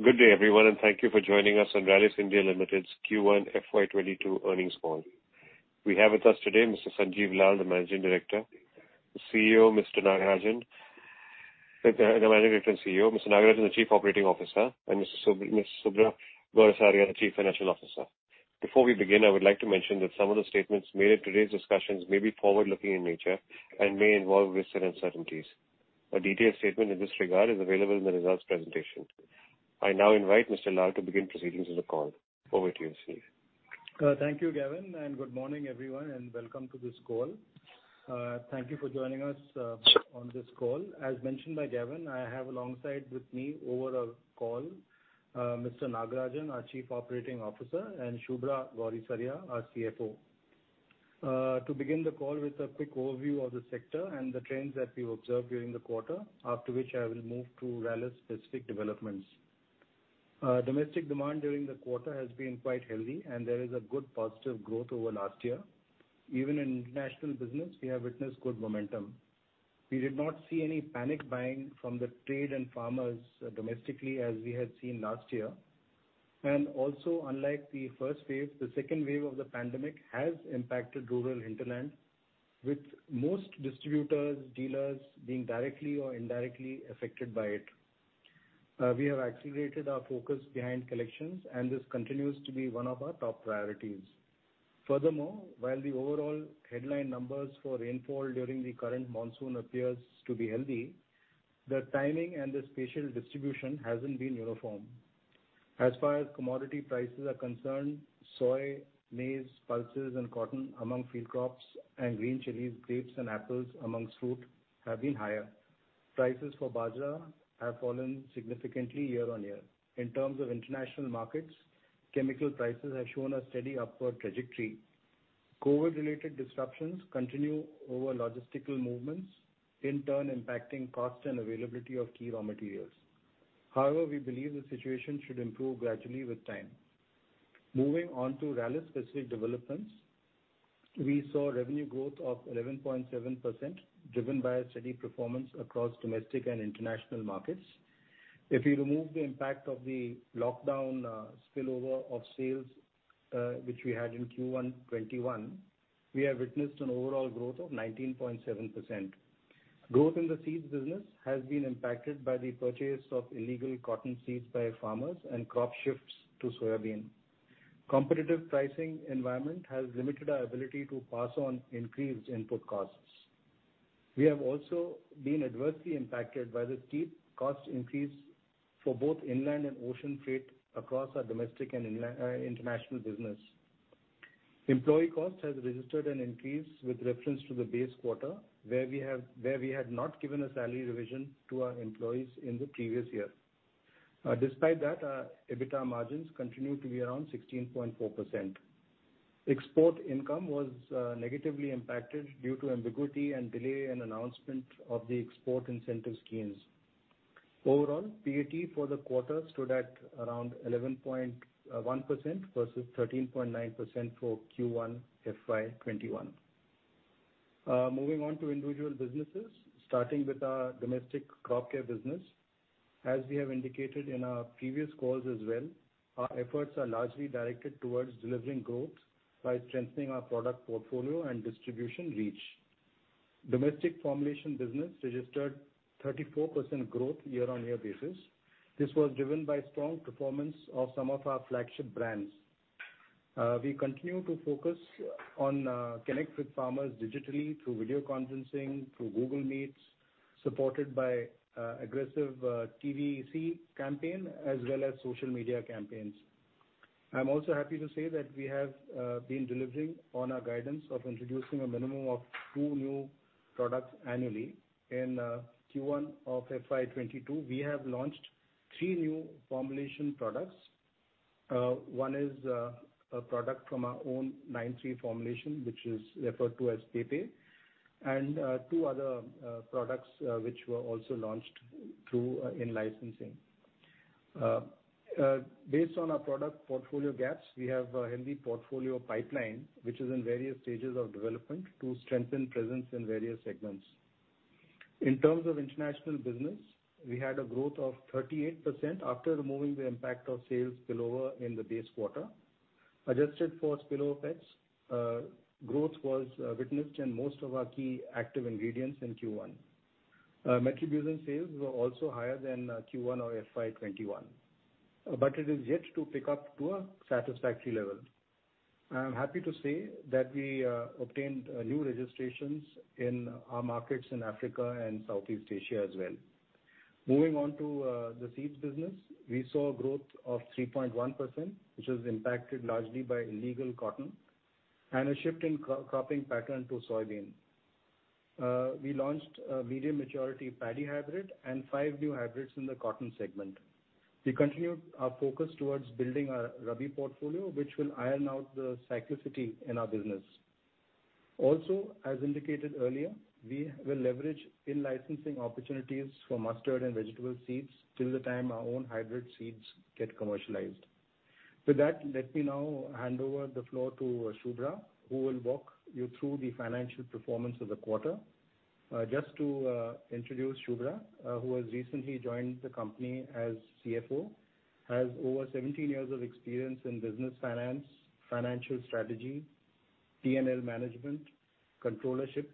Good day everyone, and thank you for joining us on Rallis India Limited's Q1 FY 2022 earnings call. We have with us today Mr. Sanjiv Lal, the Managing Director. Mr. Nagarajan, the Chief Operating Officer, and Ms. Subhra Gourisaria, the Chief Financial Officer. Before we begin, I would like to mention that some of the statements made in today's discussions may be forward-looking in nature and may involve risks and uncertainties. A detailed statement in this regard is available in the results presentation. I now invite Mr. Lal to begin proceedings on the call. Over to you, Sanjiv. Thank you, Gavin. Good morning, everyone. Welcome to this call. Thank you for joining us on this call. As mentioned by Gavin, I have alongside with me over a call, Mr. Nagarajan, our Chief Operating Officer, and Subhra Gourisaria, our CFO. To begin the call with a quick overview of the sector and the trends that we observed during the quarter, after which I will move to Rallis specific developments. Domestic demand during the quarter has been quite healthy. There is a good positive growth over last year. Even in international business, we have witnessed good momentum. We did not see any panic buying from the trade and farmers domestically as we had seen last year. Also, unlike the first wave, the second wave of the pandemic has impacted rural hinterland, with most distributors, dealers being directly or indirectly affected by it. We have accelerated our focus behind collections, and this continues to be one of our top priorities. Furthermore, while the overall headline numbers for rainfall during the current monsoon appears to be healthy, the timing and the spatial distribution hasn't been uniform. As far as commodity prices are concerned, soy, maize, pulses, and cotton among field crops, and green chilies, grapes, and apples amongst fruit have been higher. Prices for bajra have fallen significantly year-over-year. In terms of international markets, chemical prices have shown a steady upward trajectory. COVID-related disruptions continue over logistical movements, in turn impacting cost and availability of key raw materials. However, we believe the situation should improve gradually with time. Moving on to Rallis specific developments, we saw revenue growth of 11.7%, driven by a steady performance across domestic and international markets. If you remove the impact of the lockdown spillover of sales which we had in Q1 2021, we have witnessed an overall growth of 19.7%. Growth in the seeds business has been impacted by the purchase of illegal cotton seeds by farmers and crop shifts to soybean. Competitive pricing environment has limited our ability to pass on increased input costs. We have also been adversely impacted by the steep cost increase for both inland and ocean freight across our domestic and international business. Employee cost has registered an increase with reference to the base quarter, where we had not given a salary revision to our employees in the previous year. Despite that, our EBITDA margins continue to be around 16.4%. Export income was negatively impacted due to ambiguity and delay in announcement of the export incentive schemes. Overall, PAT for the quarter stood at around 11.1% versus 13.9% for Q1 FY 2021. Moving on to individual businesses, starting with our domestic crop care business. As we have indicated in our previous calls as well, our efforts are largely directed towards delivering growth by strengthening our product portfolio and distribution reach. Domestic formulation business registered 34% growth year-over-year basis. This was driven by strong performance of some of our flagship brands. We continue to focus on connect with farmers digitally through video conferencing, through Google Meets, supported by aggressive TVC campaign as well as social media campaigns. I'm also happy to say that we have been delivering on our guidance of introducing a minimum of two new products annually. In Q1 of FY 2022, we have launched three new formulation products. One is a product from our own 9(3) formulation, which is referred to as PEPE, and two other products which were also launched through in-licensing. Based on our product portfolio gaps, we have a healthy portfolio pipeline which is in various stages of development to strengthen presence in various segments. In terms of international business, we had a growth of 38% after removing the impact of sales spillover in the base quarter. Adjusted for spillover effects, growth was witnessed in most of our key active ingredients in Q1. Metribuzin sales were also higher than Q1 of FY 2021, but it is yet to pick up to a satisfactory level. I'm happy to say that we obtained new registrations in our markets in Africa and Southeast Asia as well. Moving on to the seeds business. We saw growth of 3.1%, which was impacted largely by illegal cotton and a shift in cropping pattern to soybean. We launched a medium maturity paddy hybrid and five new hybrids in the cotton segment. We continued our focus towards building our Rabi portfolio, which will iron out the cyclicity in our business. As indicated earlier, we will leverage in-licensing opportunities for mustard and vegetable seeds till the time our own hybrid seeds get commercialized. With that, let me now hand over the floor to Subhra, who will walk you through the financial performance of the quarter. Just to introduce Subhra, who has recently joined the company as CFO, has over 17 years of experience in business finance, financial strategy, P&L management, controllership,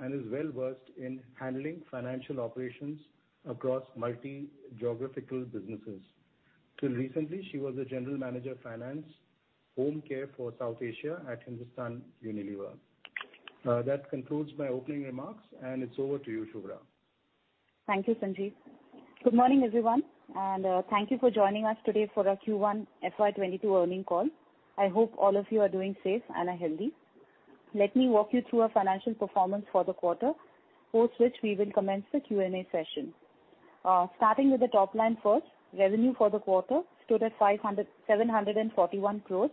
and is well-versed in handling financial operations across multi-geographical businesses. Till recently, she was the General Manager, Finance, Home Care for South Asia at Hindustan Unilever. That concludes my opening remarks, and it's over to you, Subhra. Thank you, Sanjiv. Good morning, everyone, and thank you for joining us today for our Q1 FY 2022 earnings call. I hope all of you are doing safe and are healthy. Let me walk you through our financial performance for the quarter, post which we will commence the Q&A session. Starting with the top line first, revenue for the quarter stood at 741 crores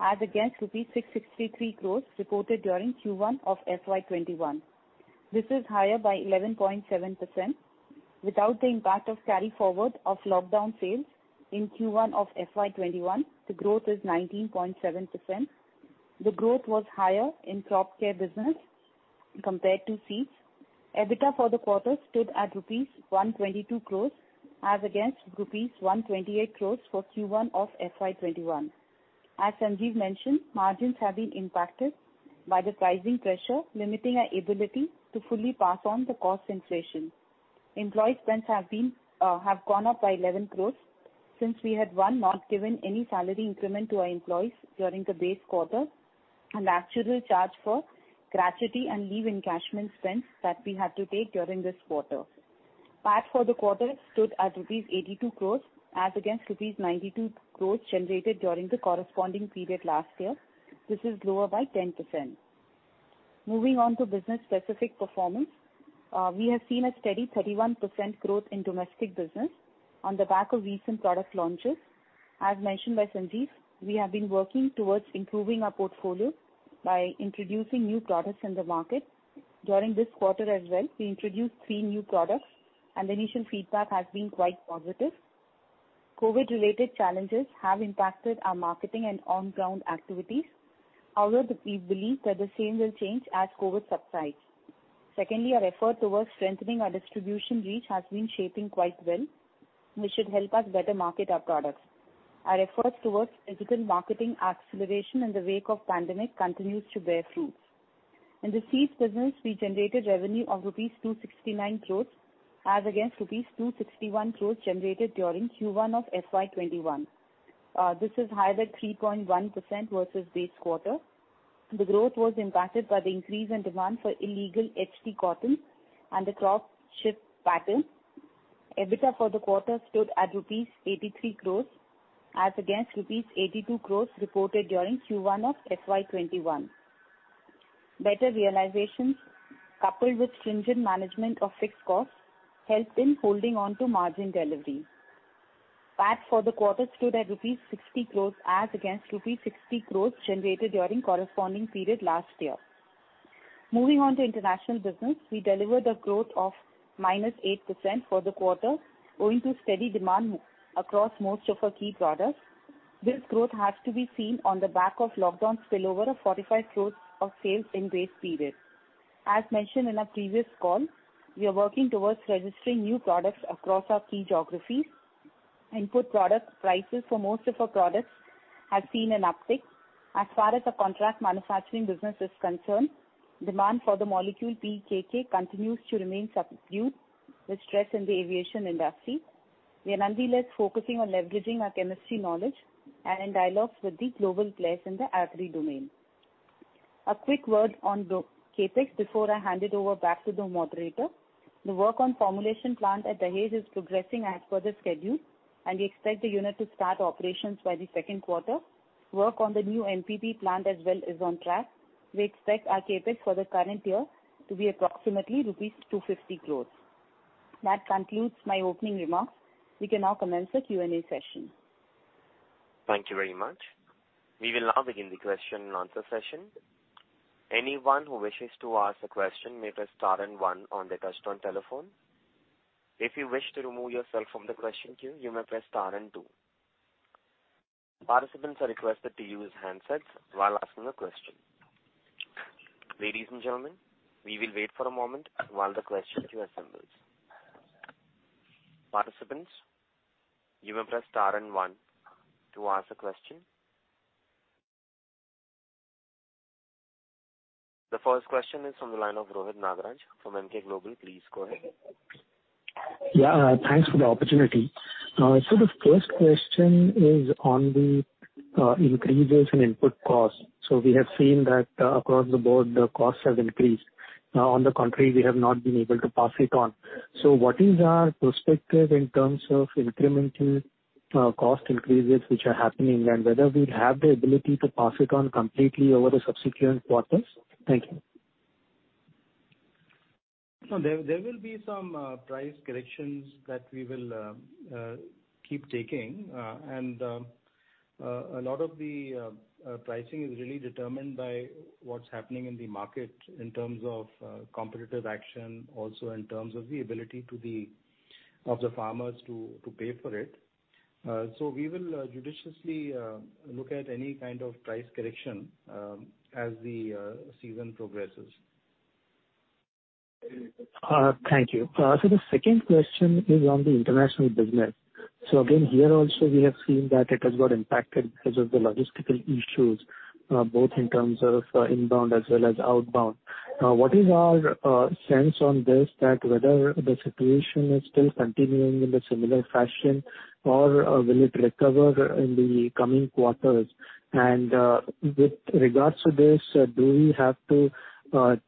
as against rupees 663 crores reported during Q1 of FY 2021. This is higher by 11.7%. Without the impact of carry-forward of lockdown sales in Q1 of FY 2021, the growth is 19.7%. The growth was higher in Crop Care business compared to Seeds. EBITDA for the quarter stood at rupees 122 crores as against rupees 128 crores for Q1 of FY 2021. As Sanjiv mentioned, margins have been impacted by the pricing pressure, limiting our ability to fully pass on the cost inflation. Employee spends have gone up by 11 crore since we had, one, not given any salary increment to our employees during the base quarter, and actual charge for gratuity and leave encashment spends that we had to take during this quarter. PAT for the quarter stood at rupees 82 crore as against rupees 92 crore generated during the corresponding period last year, which is lower by 10%. Moving on to business-specific performance. We have seen a steady 31% growth in Domestic business on the back of recent product launches. As mentioned by Sanjiv, we have been working towards improving our portfolio by introducing new products in the market. During this quarter as well, we introduced three new products and the initial feedback has been quite positive. COVID-related challenges have impacted our marketing and on-ground activities. However, we believe that the same will change as COVID subsides. Secondly, our effort towards strengthening our distribution reach has been shaping quite well, which should help us better market our products. Our efforts towards digital marketing acceleration in the wake of pandemic continues to bear fruit. In the Seeds business, we generated revenue of rupees 269 crores as against rupees 261 crores generated during Q1 of FY 2021. This is higher at 3.1% versus base quarter. The growth was impacted by the increase in demand for illegal HT cotton and the crop shift pattern. EBITDA for the quarter stood at rupees 83 crores as against rupees 82 crores reported during Q1 of FY 2021. Better realizations coupled with stringent management of fixed costs helped in holding on to margin delivery. PAT for the quarter stood at rupees 60 crores as against rupees 60 crores generated during corresponding period last year. Moving on to International business, we delivered a growth of -8% for the quarter owing to steady demand across most of our key products. This growth has to be seen on the back of lockdown spillover of 45 crores of sales in base period. As mentioned in our previous call, we are working towards registering new products across our key geographies. Input product prices for most of our products have seen an uptick. As far as the contract manufacturing business is concerned, demand for the molecule PEKK continues to remain subdued with stress in the aviation industry. We are nonetheless focusing on leveraging our chemistry knowledge and in dialogues with the global players in the agri domain. A quick word on the CapEx before I hand it over back to the moderator. The work on formulation plant at Dahej is progressing as per the schedule, and we expect the unit to start operations by the 2nd quarter. Work on the new MPP plant as well is on track. We expect our CapEx for the current year to be approximately rupees 250 crores. That concludes my opening remarks. We can now commence the Q&A session. Thank you very much. We will now begin the question and answer session. Anyone who wishes to ask a question may press star and one on the touchstone telephone. If you wish to remove yourself from the question queue, you may press star and two. Participants are requested to use handsets while asking the question. Ladies and gentlemen, we will wait for a moment while the question queue assembles. Participants, you may press star and one to ask a question. The first question is from the line of Rohit Nagaraj from Emkay Global. Please go ahead. Yeah. Thanks for the opportunity. The first question is on the increases in input costs. We have seen that across the board the costs have increased. On the contrary, we have not been able to pass it on. What is our perspective in terms of incremental cost increases which are happening and whether we have the ability to pass it on completely over the subsequent quarters? Thank you. There will be some price corrections that we will keep taking. A lot of the pricing is really determined by what's happening in the market in terms of competitive action, also in terms of the ability of the farmers to pay for it. We will judiciously look at any kind of price correction as the season progresses. Thank you. The second question is on the international business. Again, here also we have seen that it has got impacted because of the logistical issues, both in terms of inbound as well as outbound. What is our sense on this, that whether the situation is still continuing in the similar fashion or will it recover in the coming quarters? With regards to this, do we have to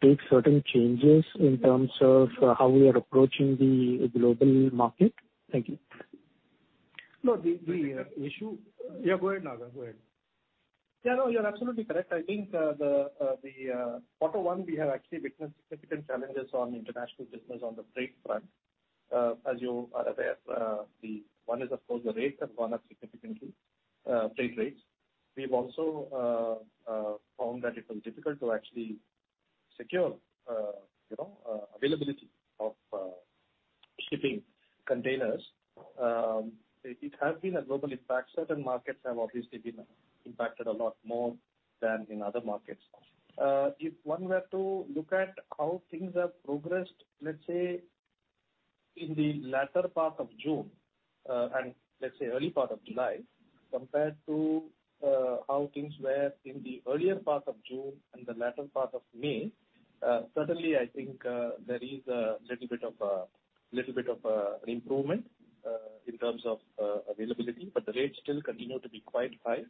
take certain changes in terms of how we are approaching the global market? Thank you. No. Yeah, go ahead, Naga. Go ahead. No, you're absolutely correct. I think the quarter one, we have actually witnessed significant challenges on international business on the freight front. As you are aware, one is, of course, the rates have gone up significantly, freight rates. We've also found that it was difficult to actually secure availability of shipping containers. It has been a global impact. Certain markets have obviously been impacted a lot more than in other markets. If one were to look at how things have progressed, let's say, in the latter part of June, and let's say early part of July, compared to how things were in the earlier part of June and the latter part of May, certainly I think there is a little bit of an improvement in terms of availability, but the rates still continue to be quite high.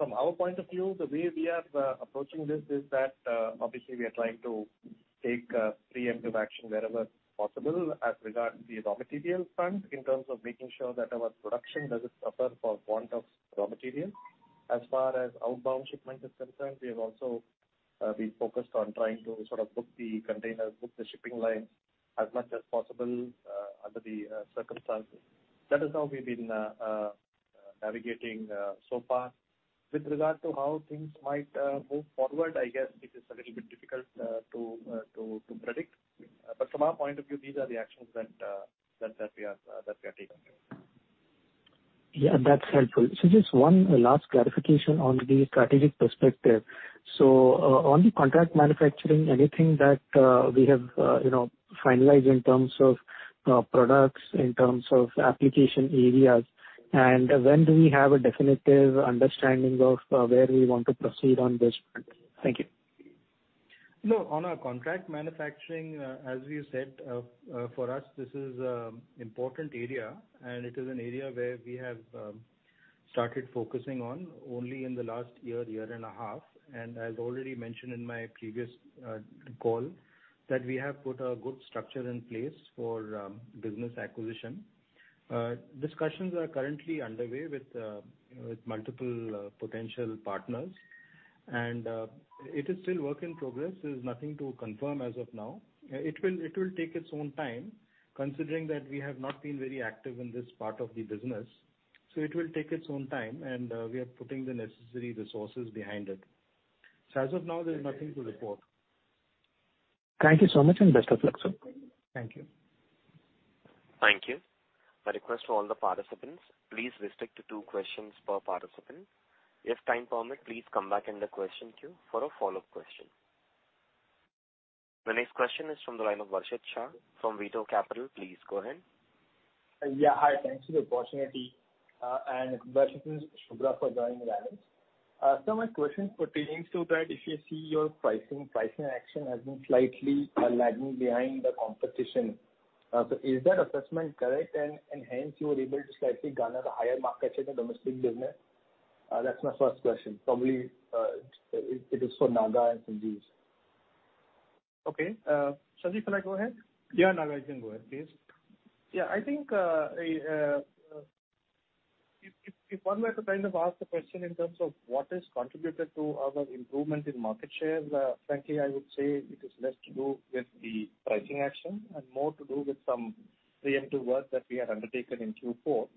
From our point of view, the way we are approaching this is that obviously we are trying to take preemptive action wherever possible as regard the raw material front, in terms of making sure that our production doesn't suffer for want of raw material. As far as outbound shipment is concerned, we've also been focused on trying to sort of book the containers, book the shipping lines as much as possible under the circumstances. That is how we've been navigating so far. With regard to how things might move forward, I guess it is a little bit difficult to predict. From our point of view, these are the actions that we are taking. Yeah, that's helpful. Just one last clarification on the strategic perspective. On the contract manufacturing, anything that we have finalized in terms of products, in terms of application areas, and when do we have a definitive understanding of where we want to proceed on this front? Thank you. No, on our contract manufacturing, as we said, for us, this is important area and it is an area where we have started focusing on only in the last year and a half. I've already mentioned in my previous call that we have put a good structure in place for business acquisition. Discussions are currently underway with multiple potential partners, and it is still work in progress. There's nothing to confirm as of now. It will take its own time, considering that we have not been very active in this part of the business. It will take its own time, and we are putting the necessary resources behind it. As of now, there's nothing to report. Thank you so much and best of luck, sir. Thank you. Thank you. I request to all the participants, please restrict to two questions per participant. If time permit, please come back in the question queue for a follow-up question. The next question is from the line of Varshit Shah from Veto Capital. Please go ahead. Yeah, hi. Thanks for the opportunity. Varshit Shah from Veto Capital. My question pertains to that if you see your pricing action has been slightly lagging behind the competition. Is that assessment correct and hence you were able to slightly garner the higher market share in the domestic business? That's my first question. Probably it is for Naga and Sanjiv Lal. Okay. Sanjiv, can I go ahead? Yeah, Naga, you can go ahead, please. I think if one were to kind of ask the question in terms of what has contributed to our improvement in market share, frankly, I would say it is less to do with the pricing action and more to do with some preemptive work that we had undertaken in Q4.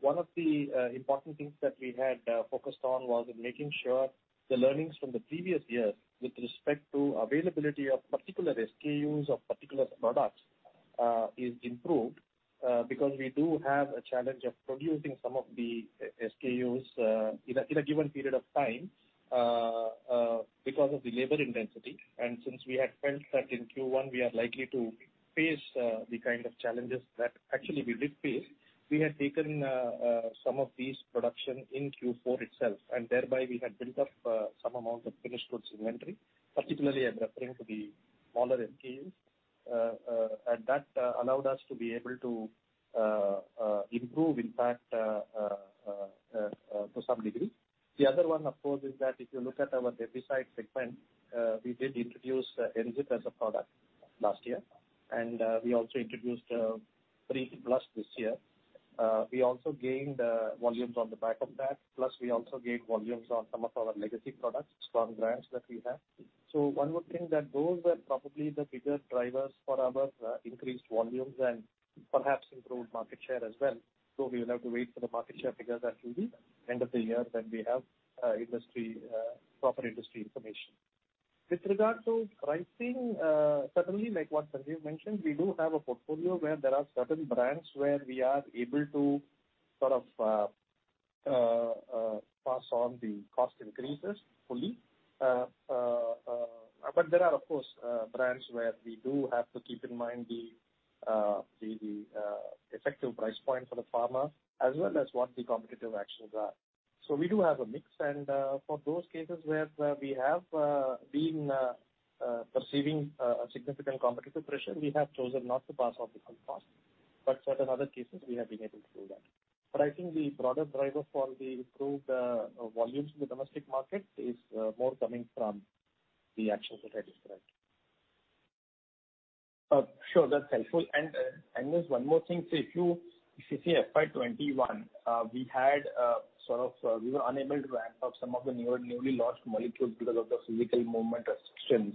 One of the important things that we had focused on was making sure the learnings from the previous year with respect to availability of particular SKUs of particular products is improved, because we do have a challenge of producing some of the SKUs in a given period of time because of the labor intensity. Since we had felt that in Q1, we are likely to face the kind of challenges that actually we did face, we had taken some of these production in Q4 itself, and thereby we had built up some amount of finished goods inventory. Particularly, I'm referring to the smaller SKUs. That allowed us to be able to improve impact to some degree. The other one, of course, is that if you look at our herbicide segment, we did introduce Enzip as a product last year, and we also introduced [Mark Plus] this year. We also gained volumes on the back of that, plus we also gained volumes on some of our legacy products, strong brands that we have. One would think that those were probably the bigger drivers for our increased volumes and perhaps improved market share as well. We will have to wait for the market share figures at the end of the year when we have proper industry information. With regard to pricing, certainly like what Sanjiv mentioned, we do have a portfolio where there are certain brands where we are able to sort of pass on the cost increases fully. There are, of course, brands where we do have to keep in mind the effective price point for the farmer as well as what the competitive actions are. We do have a mix, and for those cases where we have been perceiving a significant competitive pressure, we have chosen not to pass off the full cost. Certain other cases, we have been able to do that. I think the broader driver for the improved volumes in the domestic market is more coming from the actions that I described. Sure, that's helpful. There's one more thing. If you see FY 2021, we were unable to ramp up some of the newly launched molecules because of the physical movement restrictions.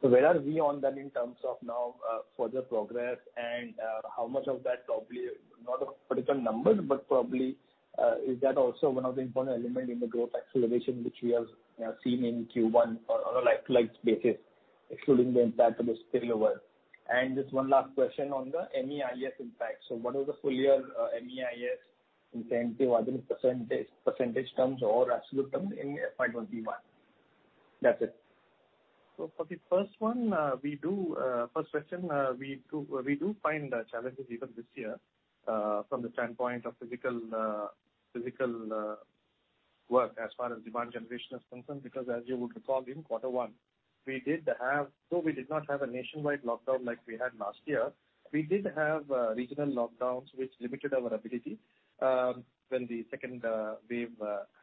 Where are we on that in terms of now further progress and how much of that, probably not a particular number, but probably is that also one of the important element in the growth acceleration, which we have seen in Q1 on a like-to-like basis, excluding the impact of the spillover. Just one last question on the MEIS impact. What is the full year MEIS incentive either in percentage terms or absolute terms in FY 2021? That's it. For the first question, we do find challenges even this year from the standpoint of physical work as far as demand generation is concerned, because as you would recall, in Q1, though we did not have a nationwide lockdown like we had last year, we did have regional lockdowns, which limited our ability when the second wave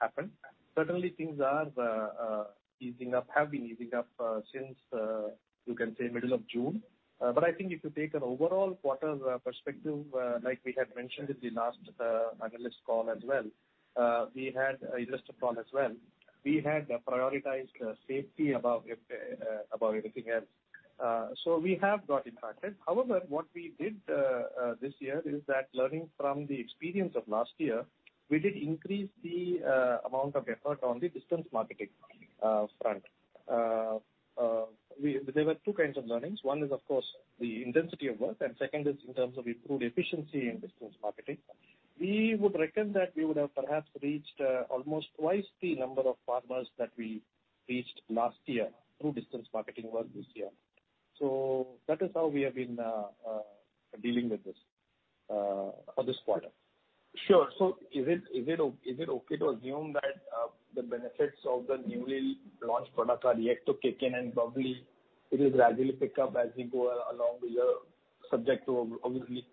happened. Certainly, things have been easing up since, you can say, middle of June. I think if you take an overall quarter perspective, like we had mentioned in the last analyst call as well, we had illustrated as well. We had prioritized safety above everything else. We have got impacted. However, what we did this year is that learning from the experience of last year, we did increase the amount of effort on the distance marketing front. There were two kinds of learnings. One is, of course, the intensity of work. Second is in terms of improved efficiency in distance marketing. We would reckon that we would have perhaps reached almost twice the number of farmers that we reached last year through distance marketing work this year. That is how we have been dealing with this for this quarter. Sure. Is it okay to assume that the benefits of the newly launched products are yet to kick in, and probably it will gradually pick up as we go along the year, subject to, obviously,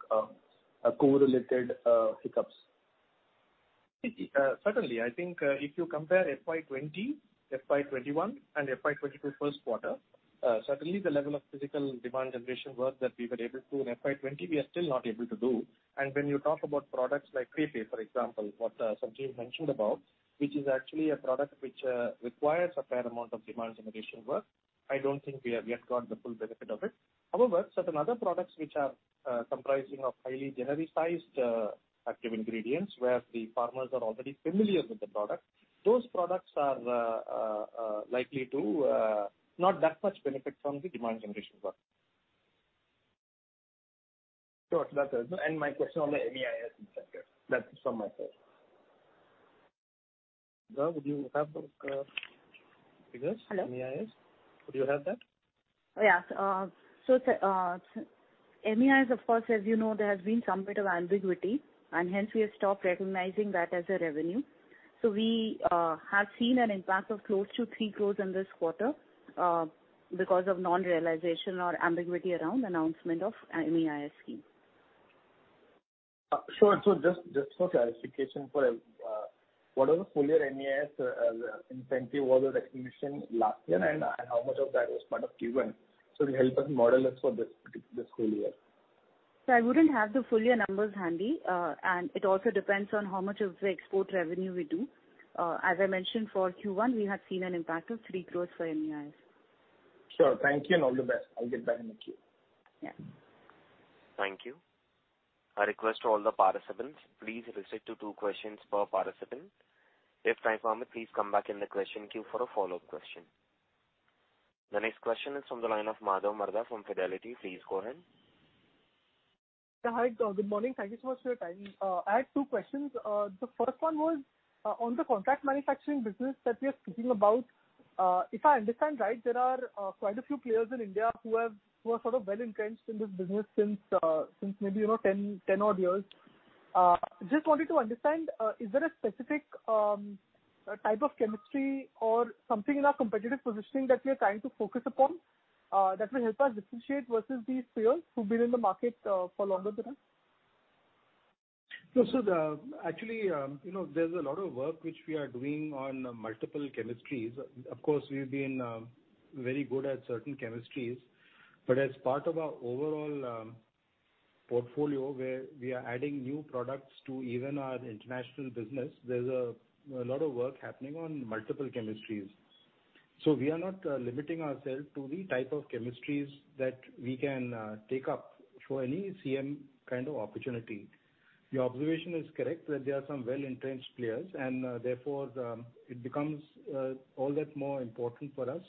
COVID-related hiccups? Certainly. I think if you compare FY 2020, FY 2021, and FY 2022 first quarter, certainly the level of physical demand generation work that we were able to in FY 2020, we are still not able to do. When you talk about products like PEPE, for example, what Sanjiv mentioned about, which is actually a product which requires a fair amount of demand generation work, I don't think we have yet got the full benefit of it. However, certain other products which are comprising of highly genericized active ingredients where the farmers are already familiar with the product, those products are likely to not that much benefit from the demand generation work. Sure. That's it. My question on the MEIS incentive. That's it from my side. Subhra, would you have the figures? Hello. MEIS? Would you have that? Yeah. MEIS, of course, as you know, there has been some bit of ambiguity, and hence we have stopped recognizing that as a revenue. We have seen an impact of close to 3 crores in this quarter because of non-realization or ambiguity around the announcement of MEIS scheme. Sure. Just for clarification, what are the full year MEIS incentive or the recognition last year and how much of that was part of Q1? It'll help us model this for this full year. I wouldn't have the full year numbers handy. It also depends on how much of the export revenue we do. As I mentioned, for Q1, we have seen an impact of 3 crores for MEIS. Sure. Thank you, and all the best. I'll get back in the queue. Yeah. Thank you. I request all the participants, please restrict to two questions per participant. If time permit, please come back in the question queue for a follow-up question. The next question is from the line of Madhav Marda from Fidelity. Please go ahead. Hi. Good morning. Thank you so much for your time. I had two questions. The first one was on the contract manufacturing business that we are speaking about. If I understand right, there are quite a few players in India who are sort of well-entrenched in this business since maybe 10-odd years. Just wanted to understand, is there a specific type of chemistry or something in our competitive positioning that we are trying to focus upon that will help us differentiate versus these players who've been in the market for longer than us? Actually, there's a lot of work which we are doing on multiple chemistries. Of course, we've been very good at certain chemistries. As part of our overall portfolio, where we are adding new products to even our international business, there's a lot of work happening on multiple chemistries. We are not limiting ourselves to the type of chemistries that we can take up for any CM kind of opportunity. Your observation is correct, that there are some well-entrenched players, therefore it becomes all that more important for us.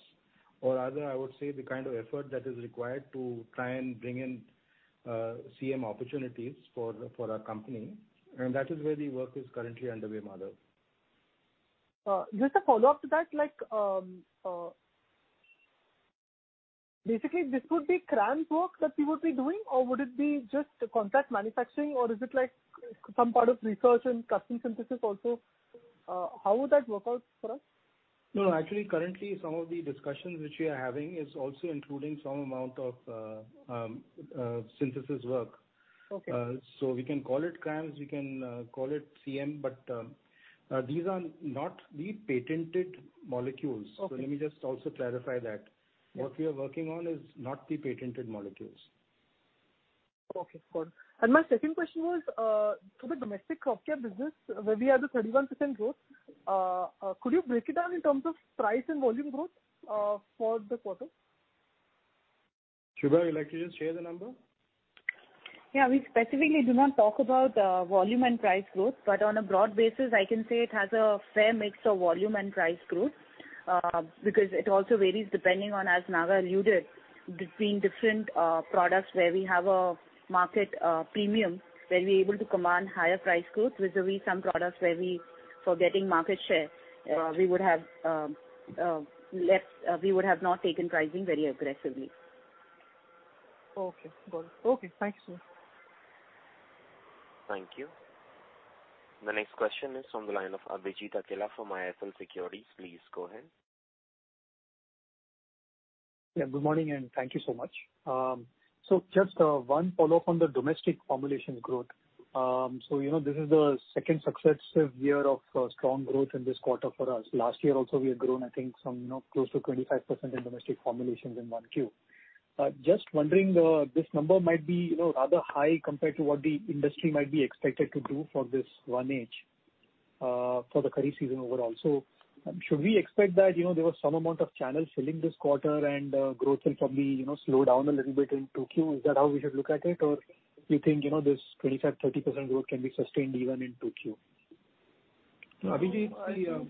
Rather, I would say, the kind of effort that is required to try and bring in CM opportunities for our company. That is where the work is currently underway, Madhav. Just a follow-up to that. Basically, this would be CRAMS work that we would be doing? Would it be just contract manufacturing, or is it some part of research and custom synthesis also? How would that work out for us? Actually, currently some of the discussions which we are having is also including some amount of synthesis work. Okay. We can call it CRAMS, we can call it CM, but these are not the patented molecules. Okay. Let me just also clarify that. Yeah. What we are working on is not the patented molecules. Okay, got it. My second question was for the domestic crop care business where we had the 31% growth, could you break it down in terms of price and volume growth for the quarter? Subhra, would you like to just share the number? Yeah. We specifically do not talk about volume and price growth. On a broad basis, I can say it has a fair mix of volume and price growth, because it also varies depending on, as Naga alluded, between different products where we have a market premium, where we're able to command higher price growth vis-a-vis some products where for getting market share, we would have not taken pricing very aggressively. Okay, got it. Okay. Thank you. Thank you. The next question is on the line of Abhijit Akella from IIFL Securities. Please go ahead. Yeah, good morning, and thank you so much. Just one follow-up on the domestic formulations growth. This is the second successive year of strong growth in this quarter for us. Last year also, we had grown, I think, close to 25% in domestic formulations in Q1. Just wondering, this number might be rather high compared to what the industry might be expected to do for this one age for the kharif season overall. Should we expect that there was some amount of channel filling this quarter and growth will probably slow down a little bit in Q2? Is that how we should look at it, or you think this 25%, 30% growth can be sustained even in Q2? Abhijit,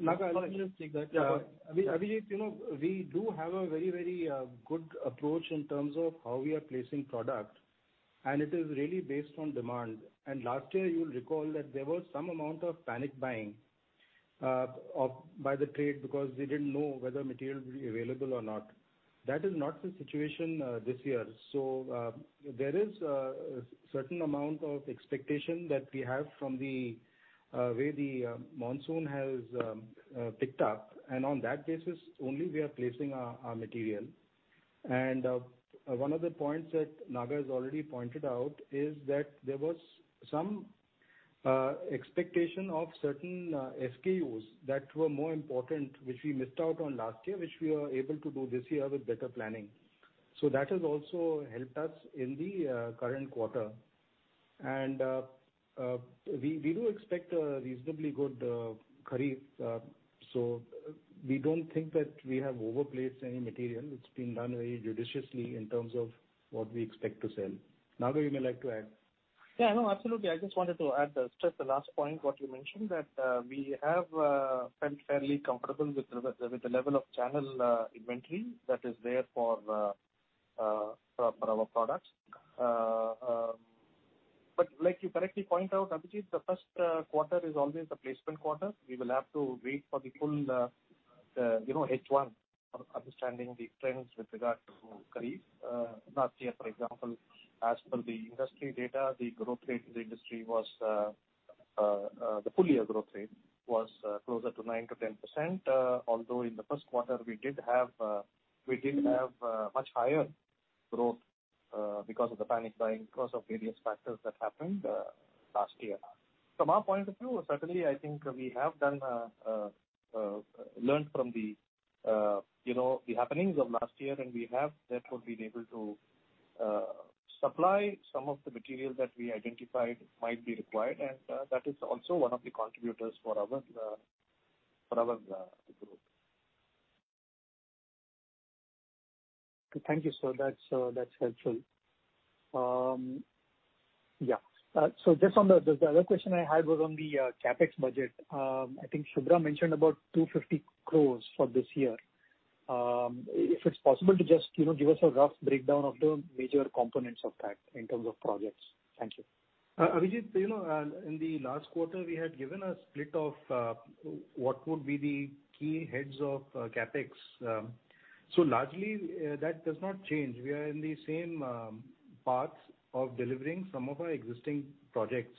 Naga, I'll let you take that. Abhijit, we do have a very good approach in terms of how we are placing product, and it is really based on demand. Last year, you'll recall that there was some amount of panic buying by the trade because they didn't know whether material would be available or not. That is not the situation this year. There is a certain amount of expectation that we have from the way the monsoon has picked up, and on that basis only we are placing our material. One of the points that Naga has already pointed out is that there was some expectation of certain SKUs that were more important, which we missed out on last year, which we are able to do this year with better planning. That has also helped us in the current quarter. We do expect a reasonably good kharif, so we don't think that we have overplaced any material. It's been done very judiciously in terms of what we expect to sell. Naga, you may like to add. Yeah, no, absolutely. I just wanted to add just the last point, what you mentioned, that we have felt fairly comfortable with the level of channel inventory that is there for our products. Like you correctly point out, Abhijit, the first quarter is always the placement quarter. We will have to wait for the full H1 for understanding the trends with regard to kharif. Last year, for example, as per the industry data, the full year growth rate was closer to 9%-10%, although in the first quarter we did have much higher growth because of the panic buying, because of various factors that happened last year. From our point of view, certainly, I think we have learned from the happenings of last year, and we have therefore been able to supply some of the material that we identified might be required, and that is also one of the contributors for our growth. Thank you, sir. That's helpful. Yeah. Just the other question I had was on the CapEx budget. I think Subhra mentioned about 250 crores for this year. If it's possible to just give us a rough breakdown of the major components of that in terms of projects. Thank you. Abhijit, in the last quarter, we had given a split of what would be the key heads of CapEx. Largely, that does not change. We are in the same path of delivering some of our existing projects,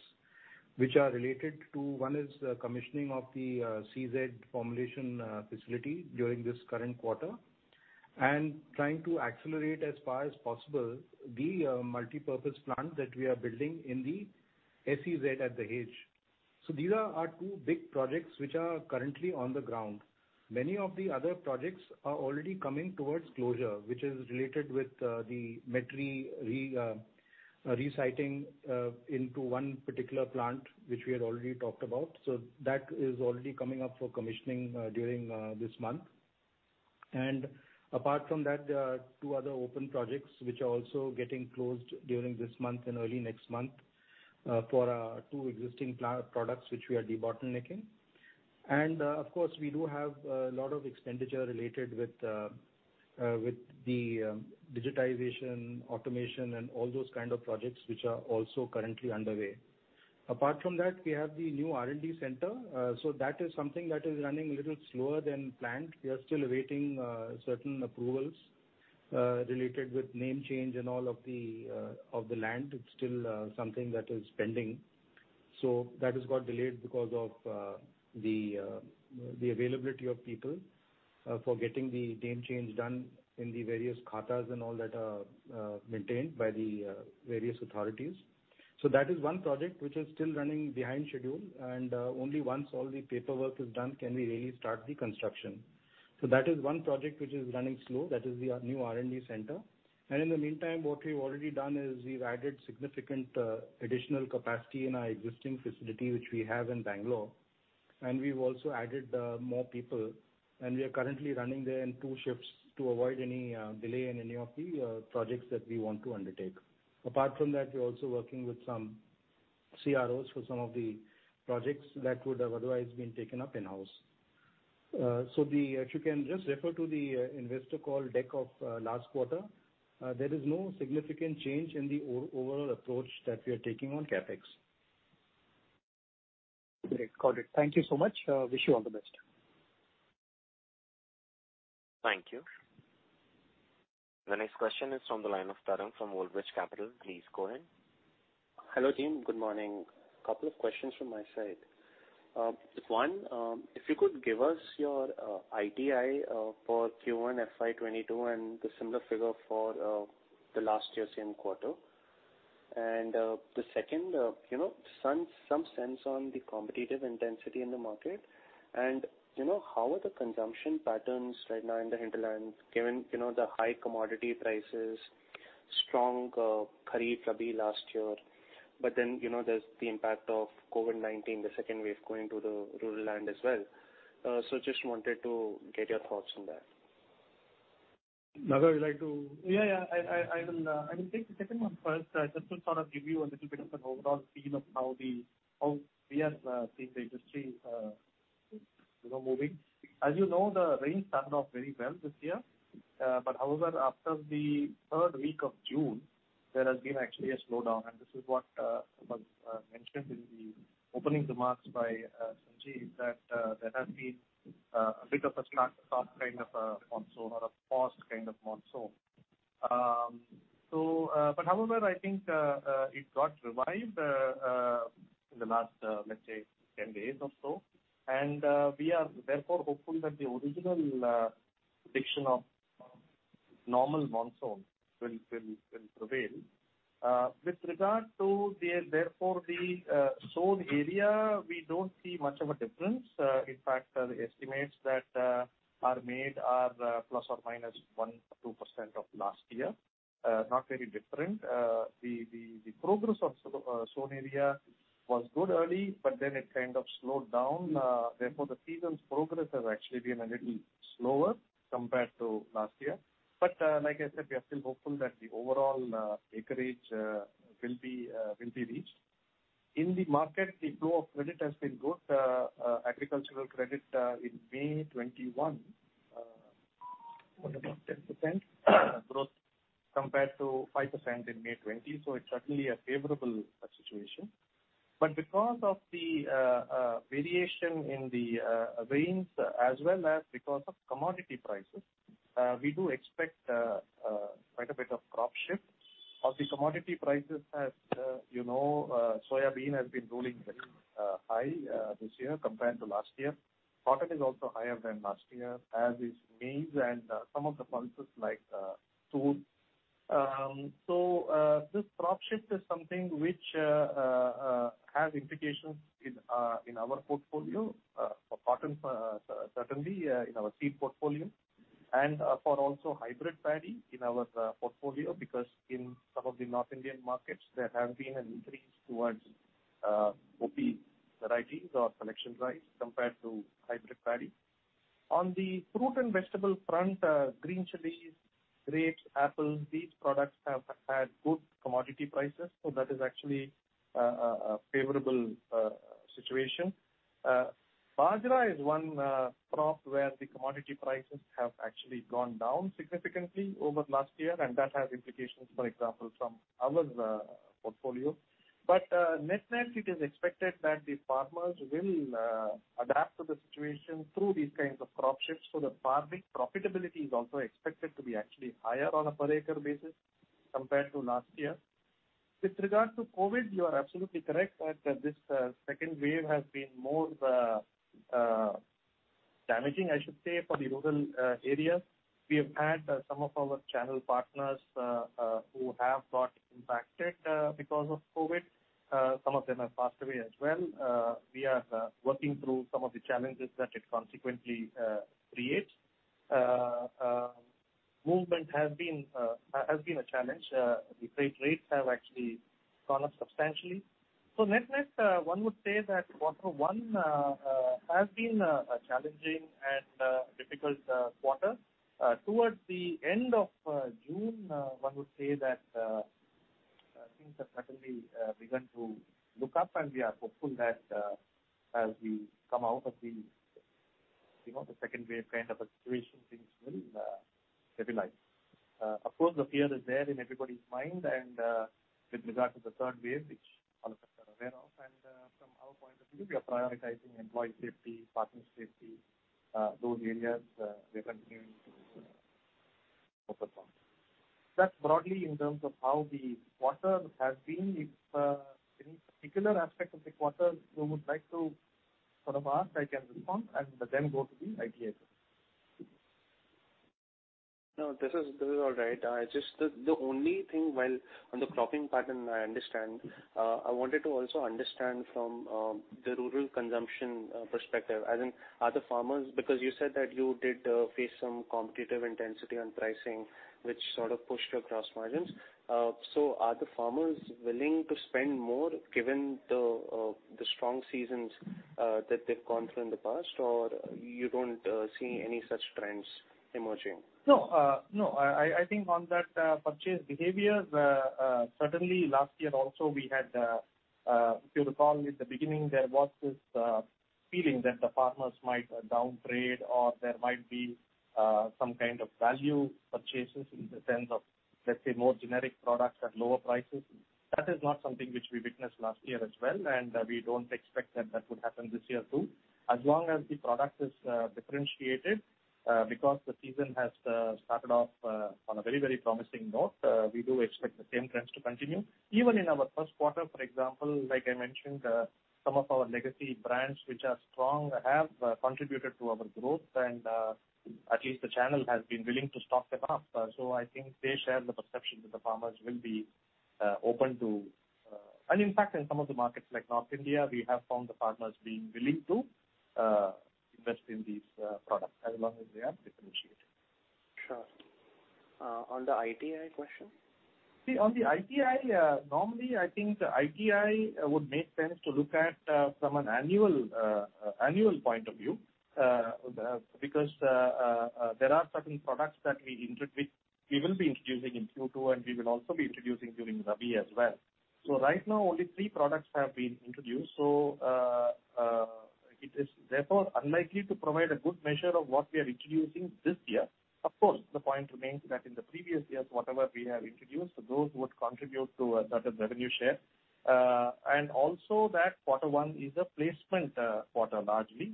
which are related to, one is commissioning of the CZ formulation facility during this current quarter, and trying to accelerate as far as possible the multipurpose plant that we are building in the SEZ at Dahej. These are our two big projects which are currently on the ground. Many of the other projects are already coming towards closure, which is related with the Metri resiting into one particular plant, which we had already talked about. That is already coming up for commissioning during this month. Apart from that, there are two other open projects which are also getting closed during this month and early next month for our two existing products, which we are de-bottlenecking. Of course, we do have a lot of expenditure related with the digitization, automation, and all those kind of projects which are also currently underway. Apart from that, we have the new R&D center. That is something that is running a little slower than planned. We are still awaiting certain approvals related with name change and all of the land. It's still something that is pending. That has got delayed because of the availability of people for getting the name change done in the various khatas and all that are maintained by the various authorities. That is one project which is still running behind schedule, and only once all the paperwork is done can we really start the construction. That is one project which is running slow. That is the new R&D center. In the meantime, what we've already done is we've added significant additional capacity in our existing facility, which we have in Bangalore, and we've also added more people, and we are currently running there in two shifts to avoid any delay in any of the projects that we want to undertake. Apart from that, we're also working with some CROs for some of the projects that would have otherwise been taken up in-house. If you can just refer to the investor call deck of last quarter, there is no significant change in the overall approach that we are taking on CapEx. Great. Got it. Thank you so much. Wish you all the best. Thank you. The next question is from the line of Tarang from Old Bridge Capital. Please go ahead. Hello, team. Good morning. Couple of questions from my side. One, if you could give us your ITI for Q1 FY 2022 and the similar figure for the last year's same quarter. The second, some sense on the competitive intensity in the market. How are the consumption patterns right now in the hinterland given the high commodity prices, strong kharif Rabi last year, but then there's the impact of COVID-19, the second wave going to the rural land as well. Just wanted to get your thoughts on that. Nagarajan, would you like to? Yeah. I will take the second one first, just to sort of give you a little bit of an overall feel of how we are seeing the industry moving. As you know, the rains started off very well this year. However, after the third week of June, there has been actually a slowdown, and this is what was mentioned in the opening remarks by Sanjiv that there has been a bit of a start-stop kind of a monsoon or a paused kind of monsoon. However, I think it got revived in the last, let's say, 10 days or so, and we are therefore hopeful that the original prediction of normal monsoon will prevail. With regard to, therefore, the sown area, we don't see much of a difference. In fact, the estimates that are made are ±1% or ±2% of last year. Not very different. The progress of sown area was good early, it kind of slowed down. The season's progress has actually been a little slower compared to last year. Like I said, we are still hopeful that the overall acreage will be reached. In the market, the flow of credit has been good. Agricultural credit in May 2021 was about 10% growth compared to 5% in May 2020, it's certainly a favorable situation. Because of the variation in the rains as well as because of commodity prices, we do expect quite a bit of crop shift. Of the commodity prices, as you know, soybean has been ruling very high this year compared to last year. Cotton is also higher than last year, as is maize and some of the pulses like tur. This crop shift is something which has implications in our portfolio for cotton certainly in our seed portfolio and for also hybrid paddy in our portfolio because in some of the North Indian markets there has been an increase towards OP varieties or collection rice compared to hybrid Paddy. On the fruit and vegetable front, green chilies, grapes, apples, these products have had good commodity prices, so that is actually a favorable situation. Bajra is one crop where the commodity prices have actually gone down significantly over last year and that has implications, for example, from our portfolio. Net-net it is expected that the farmers will adapt to the situation through these kinds of crop shifts so the farming profitability is also expected to be actually higher on a per acre basis compared to last year. With regard to COVID, you are absolutely correct that this second wave has been more damaging, I should say, for the rural areas. We have had some of our channel partners who have got impacted because of COVID. Some of them have passed away as well. We are working through some of the challenges that it consequently creates, movement has been a challenge. The freight rates have actually gone up substantially. Net-net, one would say that quarter 1 has been a challenging and difficult quarter. Towards the end of June, one would say that things have certainly begun to look up, and we are hopeful that as we come out of the second wave kind of a situation, things will stabilize. Of course, the fear is there in everybody's mind with regard to the third wave, which all of us are aware of. From our point of view, we are prioritizing employee safety, partner safety. Those areas we're continuing to focus on. That's broadly in terms of how the quarter has been. If any particular aspect of the quarter you would like to sort of ask, I can respond and then go to the ITI. No, this is all right. Just the only thing, while on the cropping pattern, I understand. I wanted to also understand from the rural consumption perspective. Because you said that you did face some competitive intensity on pricing, which sort of pushed your gross margins. Are the farmers willing to spend more given the strong seasons that they've gone through in the past, or you don't see any such trends emerging? No. I think on that purchase behaviors, certainly last year also we had, if you recall, in the beginning, there was this feeling that the farmers might downgrade or there might be some kind of value purchases in the sense of, let's say, more generic products at lower prices. That is not something which we witnessed last year as well. We don't expect that that would happen this year, too. As long as the product is differentiated, because the season has started off on a very promising note, we do expect the same trends to continue. Even in our first quarter, for example, like I mentioned, some of our legacy brands, which are strong, have contributed to our growth. At least the channel has been willing to stock them up. I think they share the perception that the farmers will be open to. In fact, in some of the markets like North India, we have found the farmers being willing to invest in these products as long as they are differentiated. Sure. On the ITI question. On the ITI, normally I think ITI would make sense to look at from an annual point of view. There are certain products that we will be introducing in Q2, and we will also be introducing during Rabi as well. Right now only three products have been introduced. It is therefore unlikely to provide a good measure of what we are introducing this year. Of course, the point remains that in the previous years, whatever we have introduced, those would contribute to a better revenue share. Also that quarter one is a placement quarter largely,